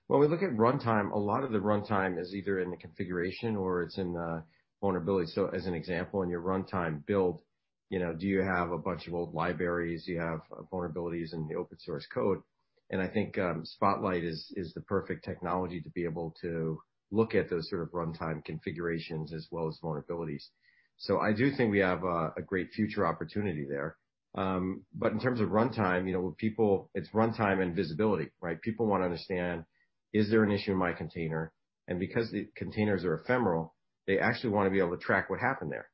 When we look at runtime, a lot of the runtime is either in the configuration or it's in the vulnerability. As an example, in your runtime build, do you have a bunch of old libraries? Do you have vulnerabilities in the open source code? I think Spotlight is the perfect technology to be able to look at those sort of runtime configurations as well as vulnerabilities. I do think we have a great future opportunity there. In terms of runtime, with people, it's runtime and visibility, right? People want to understand, is there an issue in my container? Because the containers are ephemeral, they actually want to be able to track what happened there.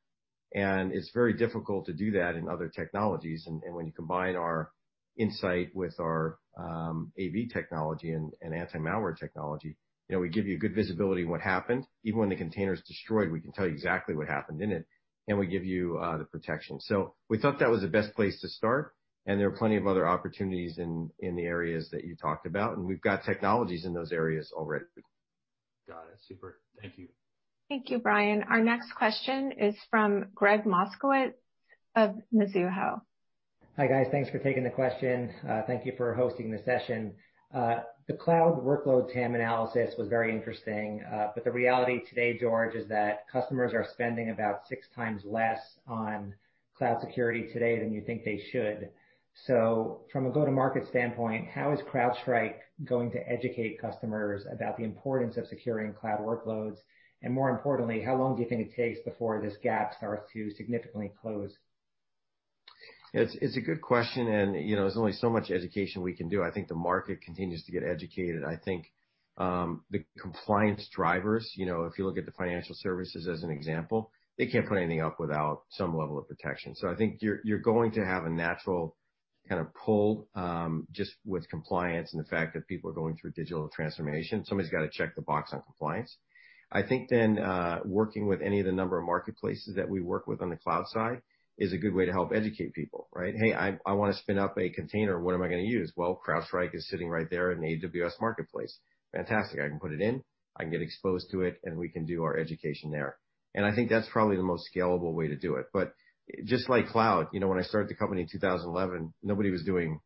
It's very difficult to do that in other technologies. When you combine our insight with our AV technology and anti-malware technology, we give you good visibility in what happened. Even when the container is destroyed, we can tell you exactly what happened in it, and we give you the protection. We thought that was the best place to start, and there are plenty of other opportunities in the areas that you talked about, and we've got technologies in those areas already. Got it. Super. Thank you. Thank you, Brian. Our next question is from Gregg Moskowitz of Mizuho. Hi, guys. Thanks for taking the question. Thank you for hosting this session. The cloud workload TAM analysis was very interesting. The reality today, George, is that customers are spending about 6x less on cloud security today than you think they should. From a go-to-market standpoint, how is CrowdStrike going to educate customers about the importance of securing cloud workloads? More importantly, how long do you think it takes before this gap starts to significantly close? It's a good question, and there's only so much education we can do. I think the market continues to get educated. I think, the compliance drivers, if you look at the financial services as an example, they can't put anything up without some level of protection. I think you're going to have a natural pull just with compliance and the fact that people are going through digital transformation. Somebody's got to check the box on compliance. I think then working with any of the number of marketplaces that we work with on the cloud side is a good way to help educate people, right? Hey, I want to spin up a container. What am I going to use? CrowdStrike is sitting right there in the AWS Marketplace. Fantastic. I can put it in, I can get exposed to it, and we can do our education there. I think that's probably the most scalable way to do it. Just like cloud, when I started the company in 2011, nobody was doing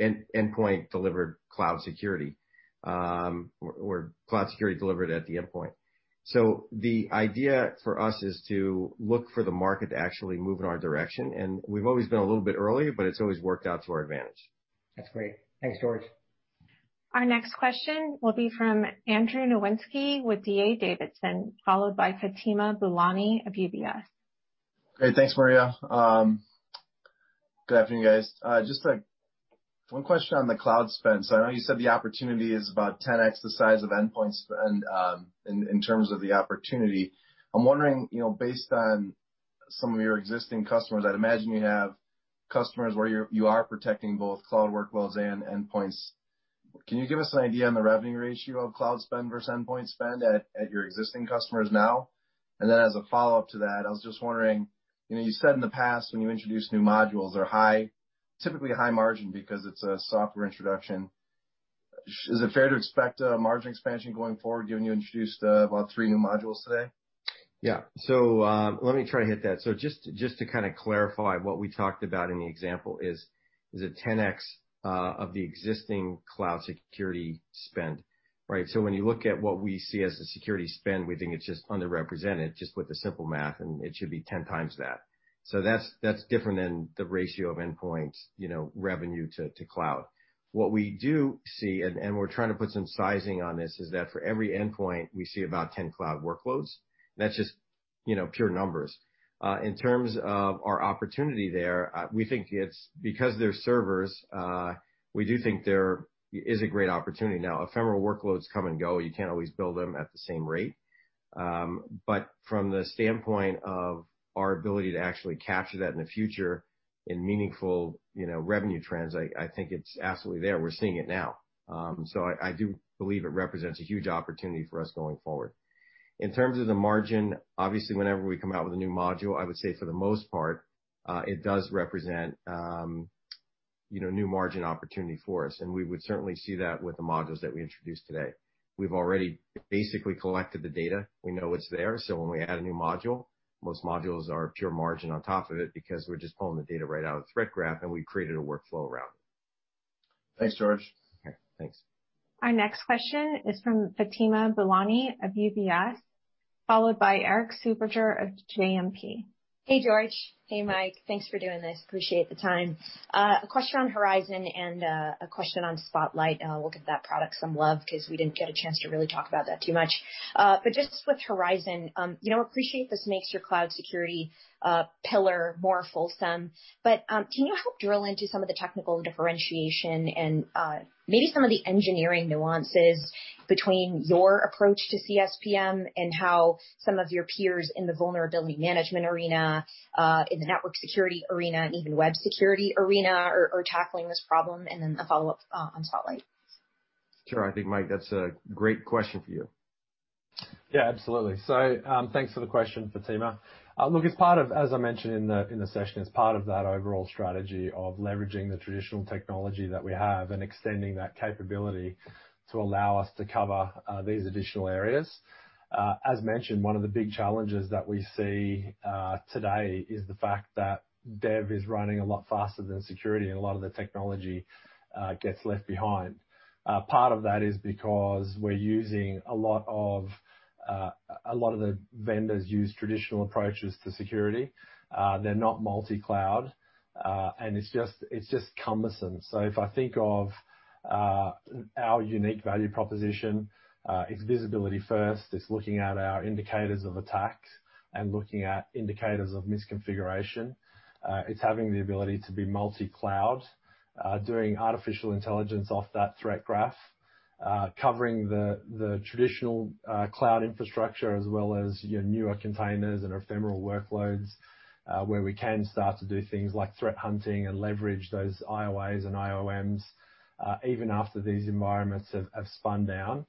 endpoint-delivered cloud security, or cloud security delivered at the endpoint. The idea for us is to look for the market to actually move in our direction, and we've always been a little bit earlier, but it's always worked out to our advantage. That's great. Thanks, George. Our next question will be from Andrew Nowinski with D.A. Davidson, followed by Fatima Boolani of UBS. Great. Thanks, Maria. Good afternoon, guys. Just one question on the cloud spend. I know you said the opportunity is about 10x the size of endpoints in terms of the opportunity. I'm wondering, based on some of your existing customers, I'd imagine you have customers where you are protecting both cloud workloads and endpoints. Can you give us an idea on the revenue ratio of cloud spend versus endpoint spend at your existing customers now? As a follow-up to that, I was just wondering, you said in the past when you introduced new modules are typically high-margin because it's a software introduction. Is it fair to expect a margin expansion going forward given you introduced about three new modules today? Yeah. Let me try to hit that. Just to kind of clarify what we talked about in the example is a 10x of the existing cloud security spend. Right? When you look at what we see as a security spend, we think it's just underrepresented just with the simple math, and it should be 10x that. That's different than the ratio of endpoint revenue to cloud. What we do see, and we're trying to put some sizing on this, is that for every endpoint we see about 10 cloud workloads. That's just pure numbers. In terms of our opportunity there, because they're servers, we do think there is a great opportunity. Now, ephemeral workloads come and go. You can't always bill them at the same rate. From the standpoint of our ability to actually capture that in the future in meaningful revenue trends, I think it's absolutely there. We're seeing it now. I do believe it represents a huge opportunity for us going forward. In terms of the margin, obviously, whenever we come out with a new module, I would say for the most part, it does represent new margin opportunity for us, and we would certainly see that with the modules that we introduced today. We've already basically collected the data. We know it's there, so when we add a new module, most modules are pure margin on top of it because we're just pulling the data right out of Threat Graph, and we've created a workflow around it. Thanks, George. Okay. Thanks. Our next question is from Fatima Boolani of UBS, followed by Erik Suppiger of JMP. Hey, George. Hey, Mike. Thanks for doing this. Appreciate the time. A question on Horizon and a question on Spotlight. We'll give that product some love because we didn't get a chance to really talk about that too much. Just with Horizon, appreciate this makes your cloud security pillar more fulsome, but can you help drill into some of the technical differentiation and maybe some of the engineering nuances between your approach to CSPM and how some of your peers in the vulnerability management arena, in the network security arena, and even web security arena are tackling this problem? Then a follow-up on Spotlight. Sure. I think, Mike, that's a great question for you. Yeah, absolutely. Thanks for the question, Fatima. Look, as I mentioned in the session, it's part of that overall strategy of leveraging the traditional technology that we have and extending that capability to allow us to cover these additional areas. As mentioned, one of the big challenges that we see today is the fact that dev is running a lot faster than security and a lot of the technology gets left behind. Part of that is because a lot of the vendors use traditional approaches to security. They're not multi-cloud, and it's just cumbersome. If I think of our unique value proposition, it's visibility first. It's looking at our indicators of attacks and looking at indicators of misconfiguration. It's having the ability to be multi-cloud, doing artificial intelligence off that Threat Graph, covering the traditional cloud infrastructure as well as your newer containers and ephemeral workloads, where we can start to do things like threat hunting and leverage those IOAs and IOMs, even after these environments have spun down.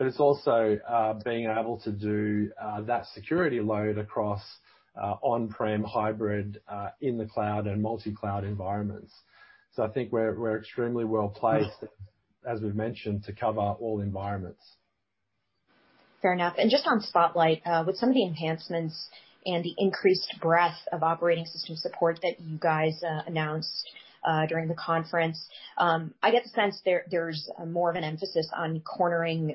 It's also being able to do that security load across on-prem hybrid, in the cloud, and multi-cloud environments. I think we're extremely well placed, as we've mentioned, to cover all environments. Fair enough. Just on Spotlight, with some of the enhancements and the increased breadth of operating system support that you guys announced during the conference, I get the sense there's more of an emphasis on cornering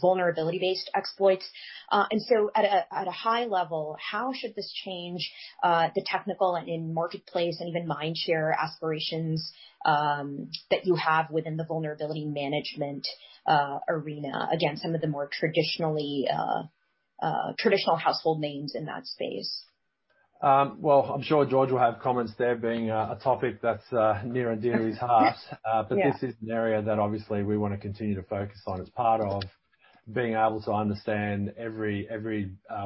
vulnerability-based exploits. At a high level, how should this change the technical and marketplace and even mind share aspirations that you have within the vulnerability management arena against some of the more traditional household names in that space? Well, I'm sure George will have comments there, being a topic that's near and dear to his heart. Yeah. This is an area that obviously we want to continue to focus on as part of being able to understand every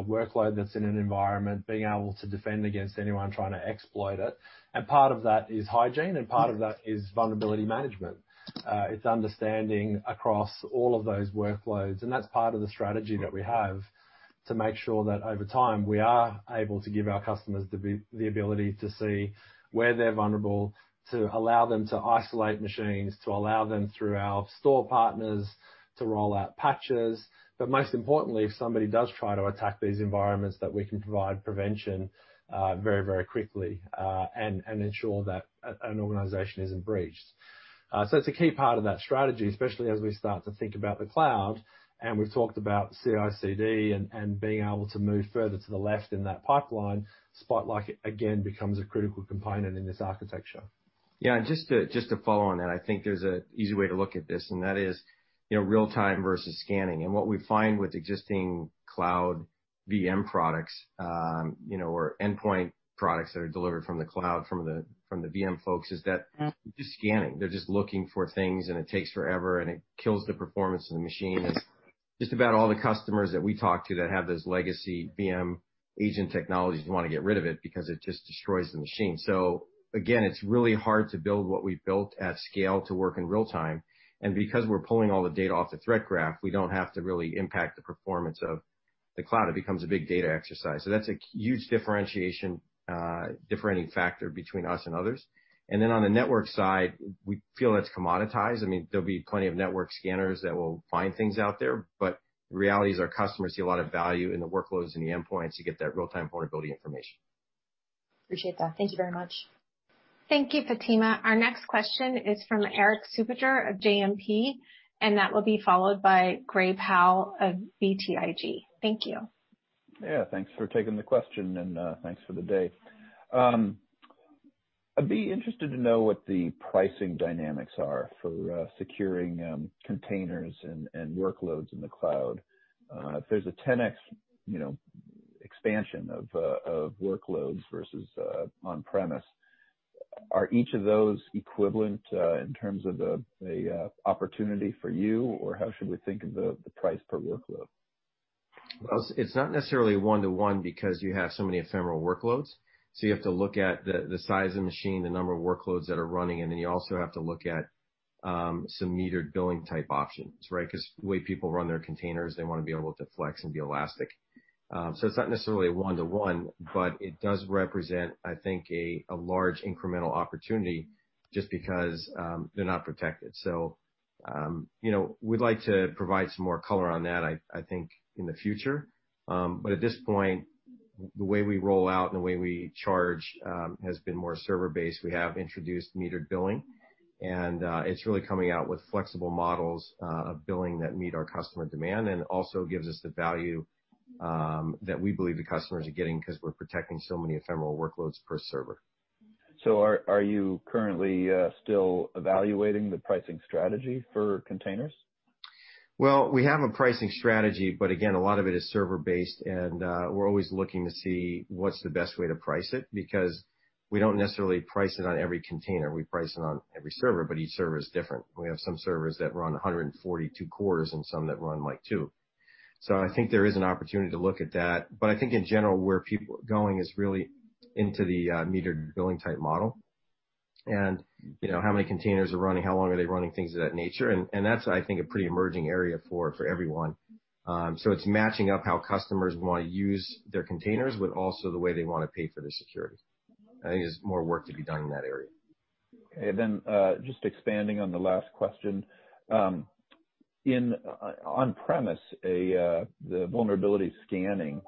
workload that's in an environment, being able to defend against anyone trying to exploit it. Part of that is hygiene, and part of that is vulnerability management. It's understanding across all of those workloads, and that's part of the strategy that we have to make sure that over time we are able to give our customers the ability to see where they're vulnerable, to allow them to isolate machines, to allow them through our Store partners to roll out patches. Most importantly, if somebody does try to attack these environments, that we can provide prevention very quickly, and ensure that an organization isn't breached. It's a key part of that strategy, especially as we start to think about the cloud, and we've talked about CI/CD and being able to move further to the left in that pipeline. Spotlight, again, becomes a critical component in this architecture. Yeah, just to follow on that, I think there's an easy way to look at this. That is real-time versus scanning. What we find with existing cloud VM products, or endpoint products that are delivered from the cloud, from the VM folks, is that they're just scanning. They're just looking for things, and it takes forever, and it kills the performance of the machine. Just about all the customers that we talk to that have those legacy VM agent technologies want to get rid of it because it just destroys the machine. Again, it's really hard to build what we've built at scale to work in real-time. Because we're pulling all the data off the Threat Graph, we don't have to really impact the performance of the cloud. It becomes a big data exercise. That's a huge differentiating factor between us and others. On the network side, we feel that's commoditized. There'll be plenty of network scanners that will find things out there. The reality is our customers see a lot of value in the workloads and the endpoints. You get that real-time vulnerability information. Appreciate that. Thank you very much. Thank you, Fatima. Our next question is from Erik Suppiger of JMP, and that will be followed by Gray Powell of BTIG. Thank you. Yeah, thanks for taking the question, and thanks for the day. I'd be interested to know what the pricing dynamics are for securing containers and workloads in the cloud. If there's a 10x expansion of workloads versus on-premise, are each of those equivalent in terms of the opportunity for you, or how should we think of the price per workload? It's not necessarily one-to-one because you have so many ephemeral workloads. You have to look at the size of the machine, the number of workloads that are running, and then you also have to look at some metered billing type options, right? Because the way people run their containers, they want to be able to flex and be elastic. It's not necessarily a one-to-one, but it does represent, I think, a large incremental opportunity just because they're not protected. We'd like to provide some more color on that, I think, in the future. At this point, the way we roll out and the way we charge has been more server-based. We have introduced metered billing, and it's really coming out with flexible models of billing that meet our customer demand and also gives us the value that we believe the customers are getting because we're protecting so many ephemeral workloads per server. Are you currently still evaluating the pricing strategy for containers? Well, we have a pricing strategy, but again, a lot of it is server-based, and we're always looking to see what's the best way to price it, because we don't necessarily price it on every container. We price it on every server, but each server is different. We have some servers that run 142 cores and some that run two. I think there is an opportunity to look at that. I think in general, where people are going is really into the metered billing type model. How many containers are running, how long are they running, things of that nature. That's, I think, a pretty emerging area for everyone. It's matching up how customers want to use their containers with also the way they want to pay for the security. I think there's more work to be done in that area. Okay, just expanding on the last question. On-premise, the vulnerability scanning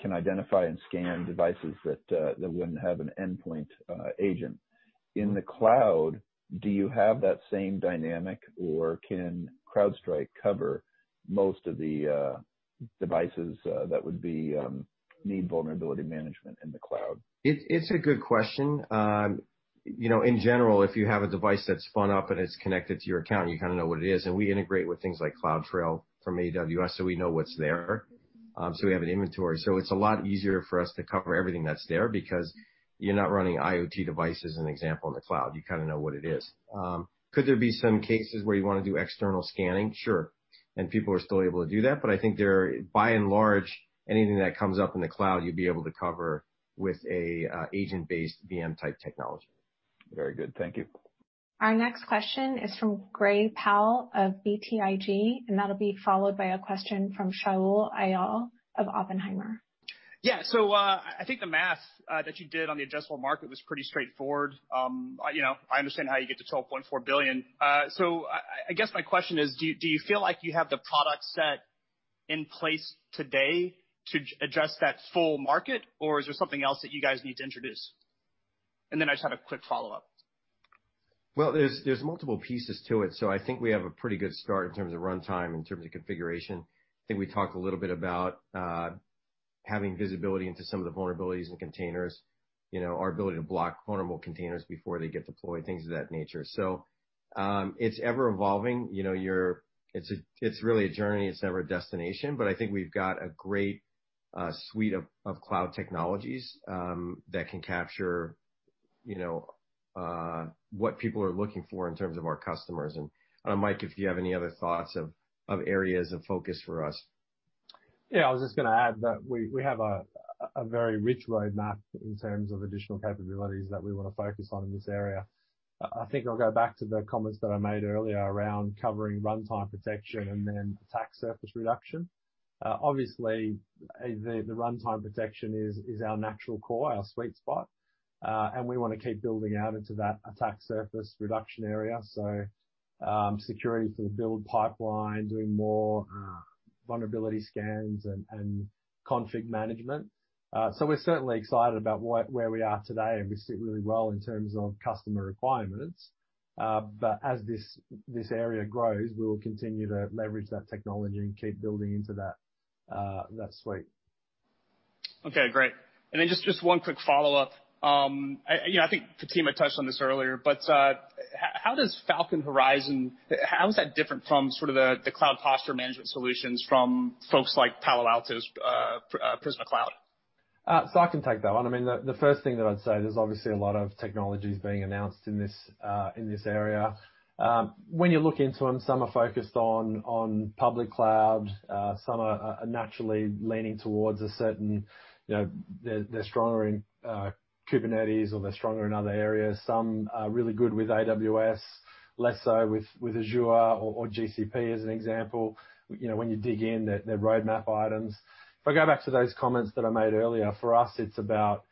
can identify and scan devices that wouldn't have an endpoint agent. In the cloud, do you have that same dynamic, or can CrowdStrike cover most of the devices that would need vulnerability management in the cloud? It's a good question. In general, if you have a device that's spun up and it's connected to your account, you kind of know what it is. We integrate with things like CloudTrail from AWS, so we know what's there. We have an inventory. It's a lot easier for us to cover everything that's there because you're not running IoT devices, as an example, in the cloud. You kind of know what it is. Could there be some cases where you want to do external scanning? Sure. People are still able to do that. I think by and large, anything that comes up in the cloud, you'd be able to cover with an agent-based VM type technology. Very good. Thank you. Our next question is from Gray Powell of BTIG, and that'll be followed by a question from Shaul Eyal of Oppenheimer. Yeah. I think the math that you did on the addressable market was pretty straightforward. I understand how you get to $12.4 billion. I guess my question is, do you feel like you have the product set in place today to address that full market, or is there something else that you guys need to introduce? I just have a quick follow-up. There's multiple pieces to it. I think we have a pretty good start in terms of runtime, in terms of configuration. I think we talked a little bit about having visibility into some of the vulnerabilities in containers, our ability to block vulnerable containers before they get deployed, things of that nature. It's ever-evolving. It's really a journey. It's never a destination. I think we've got a great suite of cloud technologies that can capture what people are looking for in terms of our customers. Mike, if you have any other thoughts of areas of focus for us. I was just going to add that we have a very rich roadmap in terms of additional capabilities that we want to focus on in this area. I think I'll go back to the comments that I made earlier around covering runtime protection and then attack surface reduction. Obviously, the runtime protection is our natural core, our sweet spot, and we want to keep building out into that attack surface reduction area. Security for the build pipeline, doing more vulnerability scans and config management. We're certainly excited about where we are today, and we sit really well in terms of customer requirements. As this area grows, we will continue to leverage that technology and keep building into that suite. Okay, great. Just one quick follow-up. I think Fatima touched on this earlier. How does Falcon Horizon, how is that different from the cloud posture management solutions from folks like Palo Alto's Prisma Cloud? I can take that one. I mean, the first thing that I'd say, there's obviously a lot of technologies being announced in this area. When you look into them, some are focused on public cloud, some are naturally leaning towards a certain. They're stronger in Kubernetes or they're stronger in other areas. Some are really good with AWS, less so with Azure or GCP as an example. When you dig in, their roadmap items. If I go back to those comments that I made earlier, for us, it's about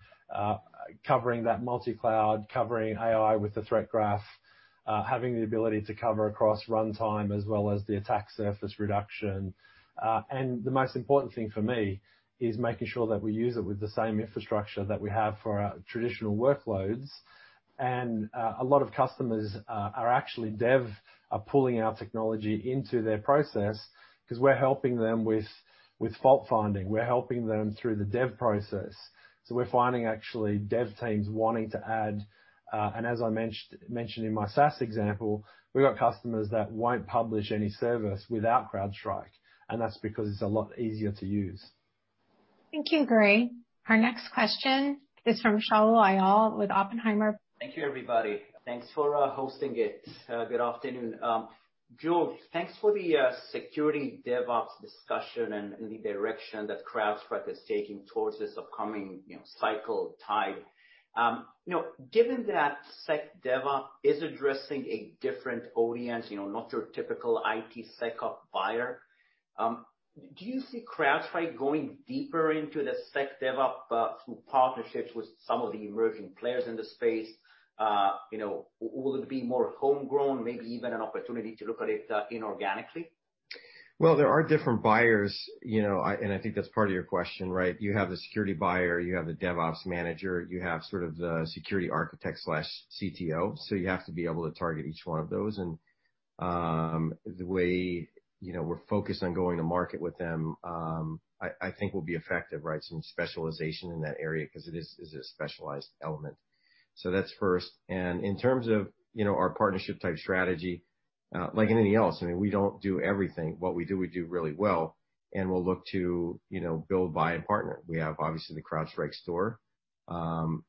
covering that multi-cloud, covering AI with the Threat Graph, having the ability to cover across runtime as well as the attack surface reduction. The most important thing for me is making sure that we use it with the same infrastructure that we have for our traditional workloads. A lot of customers are actually dev, are pulling our technology into their process because we're helping them with fault finding. We're helping them through the dev process. We're finding actually dev teams wanting to add, as I mentioned in my SaaS example, we've got customers that won't publish any service without CrowdStrike, and that's because it's a lot easier to use. Thank you, Gray. Our next question is from Shaul Eyal with Oppenheimer. Thank you, everybody. Thanks for hosting it. Good afternoon. George, thanks for the SecDevOps discussion and the direction that CrowdStrike is taking towards this upcoming cycle tide. Given that SecDevOps is addressing a different audience, not your typical IT SecOps buyer, do you see CrowdStrike going deeper into the SecDevOps through partnerships with some of the emerging players in the space? Will it be more homegrown, maybe even an opportunity to look at it inorganically? There are different buyers, and I think that's part of your question, right? You have the security buyer, you have the DevOps manager, you have sort of the security architect/CTO. You have to be able to target each one of those. The way we're focused on going to market with them, I think will be effective, right? Some specialization in that area because it is a specialized element. That's first. In terms of our partnership type strategy, like anything else, I mean, we don't do everything. What we do, we do really well, and we'll look to build, buy and partner. We have, obviously, the CrowdStrike Store,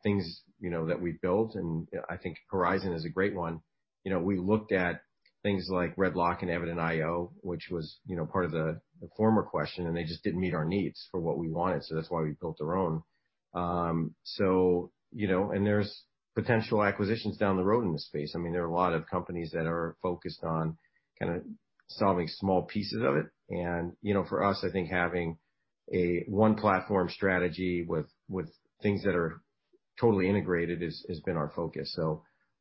things that we've built, and I think Horizon is a great one. We looked at things like RedLock and Evident.io, which was part of the former question, and they just didn't meet our needs for what we wanted, so that's why we built our own. There's potential acquisitions down the road in this space. There are a lot of companies that are focused on kind of solving small pieces of it. For us, I think having a one platform strategy with things that are totally integrated has been our focus.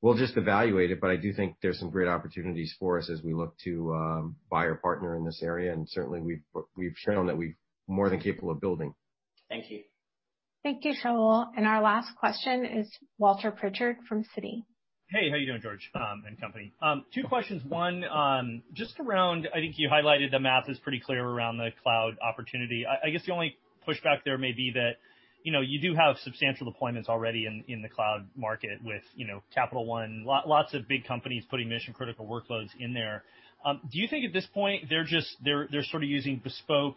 We'll just evaluate it, but I do think there's some great opportunities for us as we look to buy or partner in this area. Certainly, we've shown that we're more than capable of building. Thank you. Thank you, Shaul. Our last question is Walter Pritchard from Citi. Hey, how you doing, George, and company? Two questions. One, just around, I think you highlighted the math is pretty clear around the cloud opportunity. I guess the only pushback there may be that you do have substantial deployments already in the cloud market with Capital One, lots of big companies putting mission critical workloads in there. Do you think at this point they're sort of using bespoke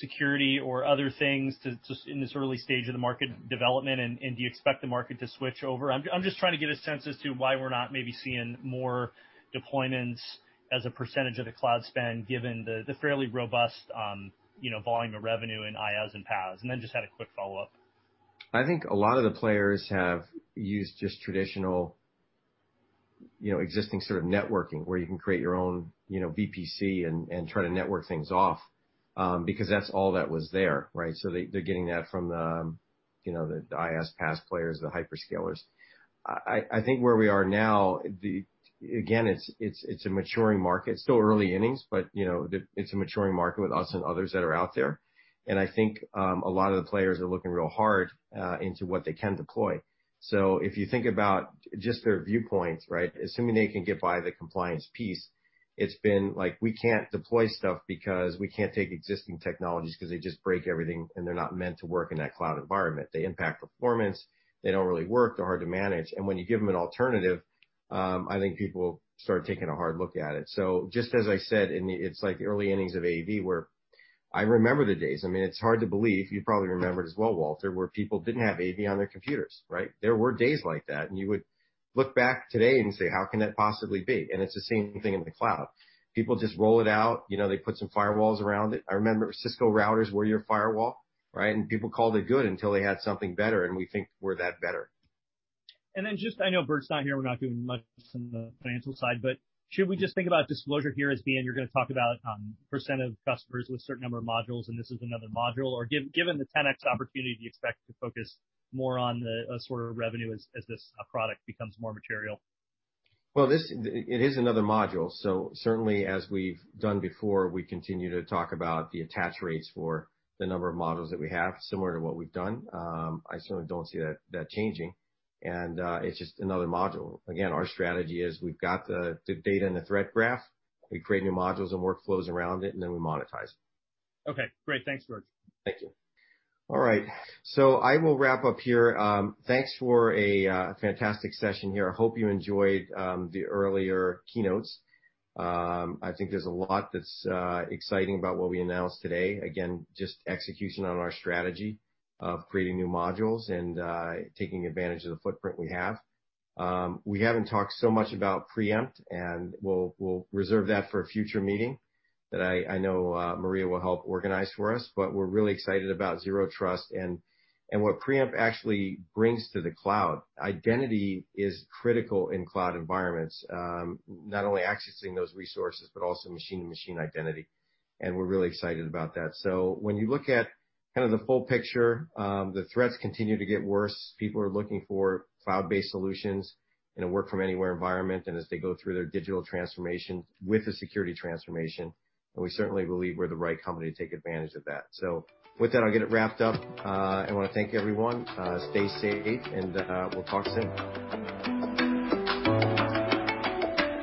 security or other things in this early stage of the market development, and do you expect the market to switch over? I'm just trying to get a sense as to why we're not maybe seeing more deployments as a percentage of the cloud spend, given the fairly robust volume of revenue in IaaS and PaaS. Then just had a quick follow-up. I think a lot of the players have used just traditional existing sort of networking where you can create your own VPC and try to network things off, because that's all that was there, right? They're getting that from the IaaS, PaaS players, the hyperscalers. I think where we are now, again, it's a maturing market. Still early innings, but it's a maturing market with us and others that are out there. I think a lot of the players are looking real hard into what they can deploy. If you think about just their viewpoints, right? Assuming they can get by the compliance piece, it's been like we can't deploy stuff because we can't take existing technologies because they just break everything and they're not meant to work in that cloud environment. They impact performance. They don't really work. They're hard to manage. When you give them an alternative, I think people start taking a hard look at it. Just as I said, it's like the early innings of AV where I remember the days, I mean, it's hard to believe, you probably remember it as well, Walter, where people didn't have AV on their computers, right? There were days like that, and you would look back today and say, "How can that possibly be?" It's the same thing in the cloud. People just roll it out. They put some firewalls around it. I remember Cisco routers were your firewall, right? People called it good until they had something better, and we think we're that better. Then just, I know Burt's not here, we're not doing much on the financial side, but should we just think about disclosure here as being you're going to talk about percent of customers with certain number of modules, and this is another module? Or given the 10x opportunity, do you expect to focus more on the sort of revenue as this product becomes more material? Well, it is another module. Certainly, as we've done before, we continue to talk about the attach rates for the number of modules that we have, similar to what we've done. I certainly don't see that changing. It's just another module. Again, our strategy is we've got the data and the Threat Graph. We create new modules and workflows around it. Then we monetize it. Okay, great. Thanks, George. Thank you. All right. I will wrap up here. Thanks for a fantastic session here. I hope you enjoyed the earlier keynotes. I think there's a lot that's exciting about what we announced today. Again, just execution on our strategy of creating new modules and taking advantage of the footprint we have. We haven't talked so much about Preempt, and we'll reserve that for a future meeting that I know Maria will help organize for us. We're really excited about Zero Trust and what Preempt actually brings to the cloud. Identity is critical in cloud environments, not only accessing those resources, but also machine and machine identity. We're really excited about that. When you look at kind of the full picture, the threats continue to get worse. People are looking for cloud-based solutions in a work from anywhere environment, and as they go through their digital transformation with the security transformation, and we certainly believe we're the right company to take advantage of that. With that, I'll get it wrapped up. I want to thank everyone. Stay safe and we'll talk soon.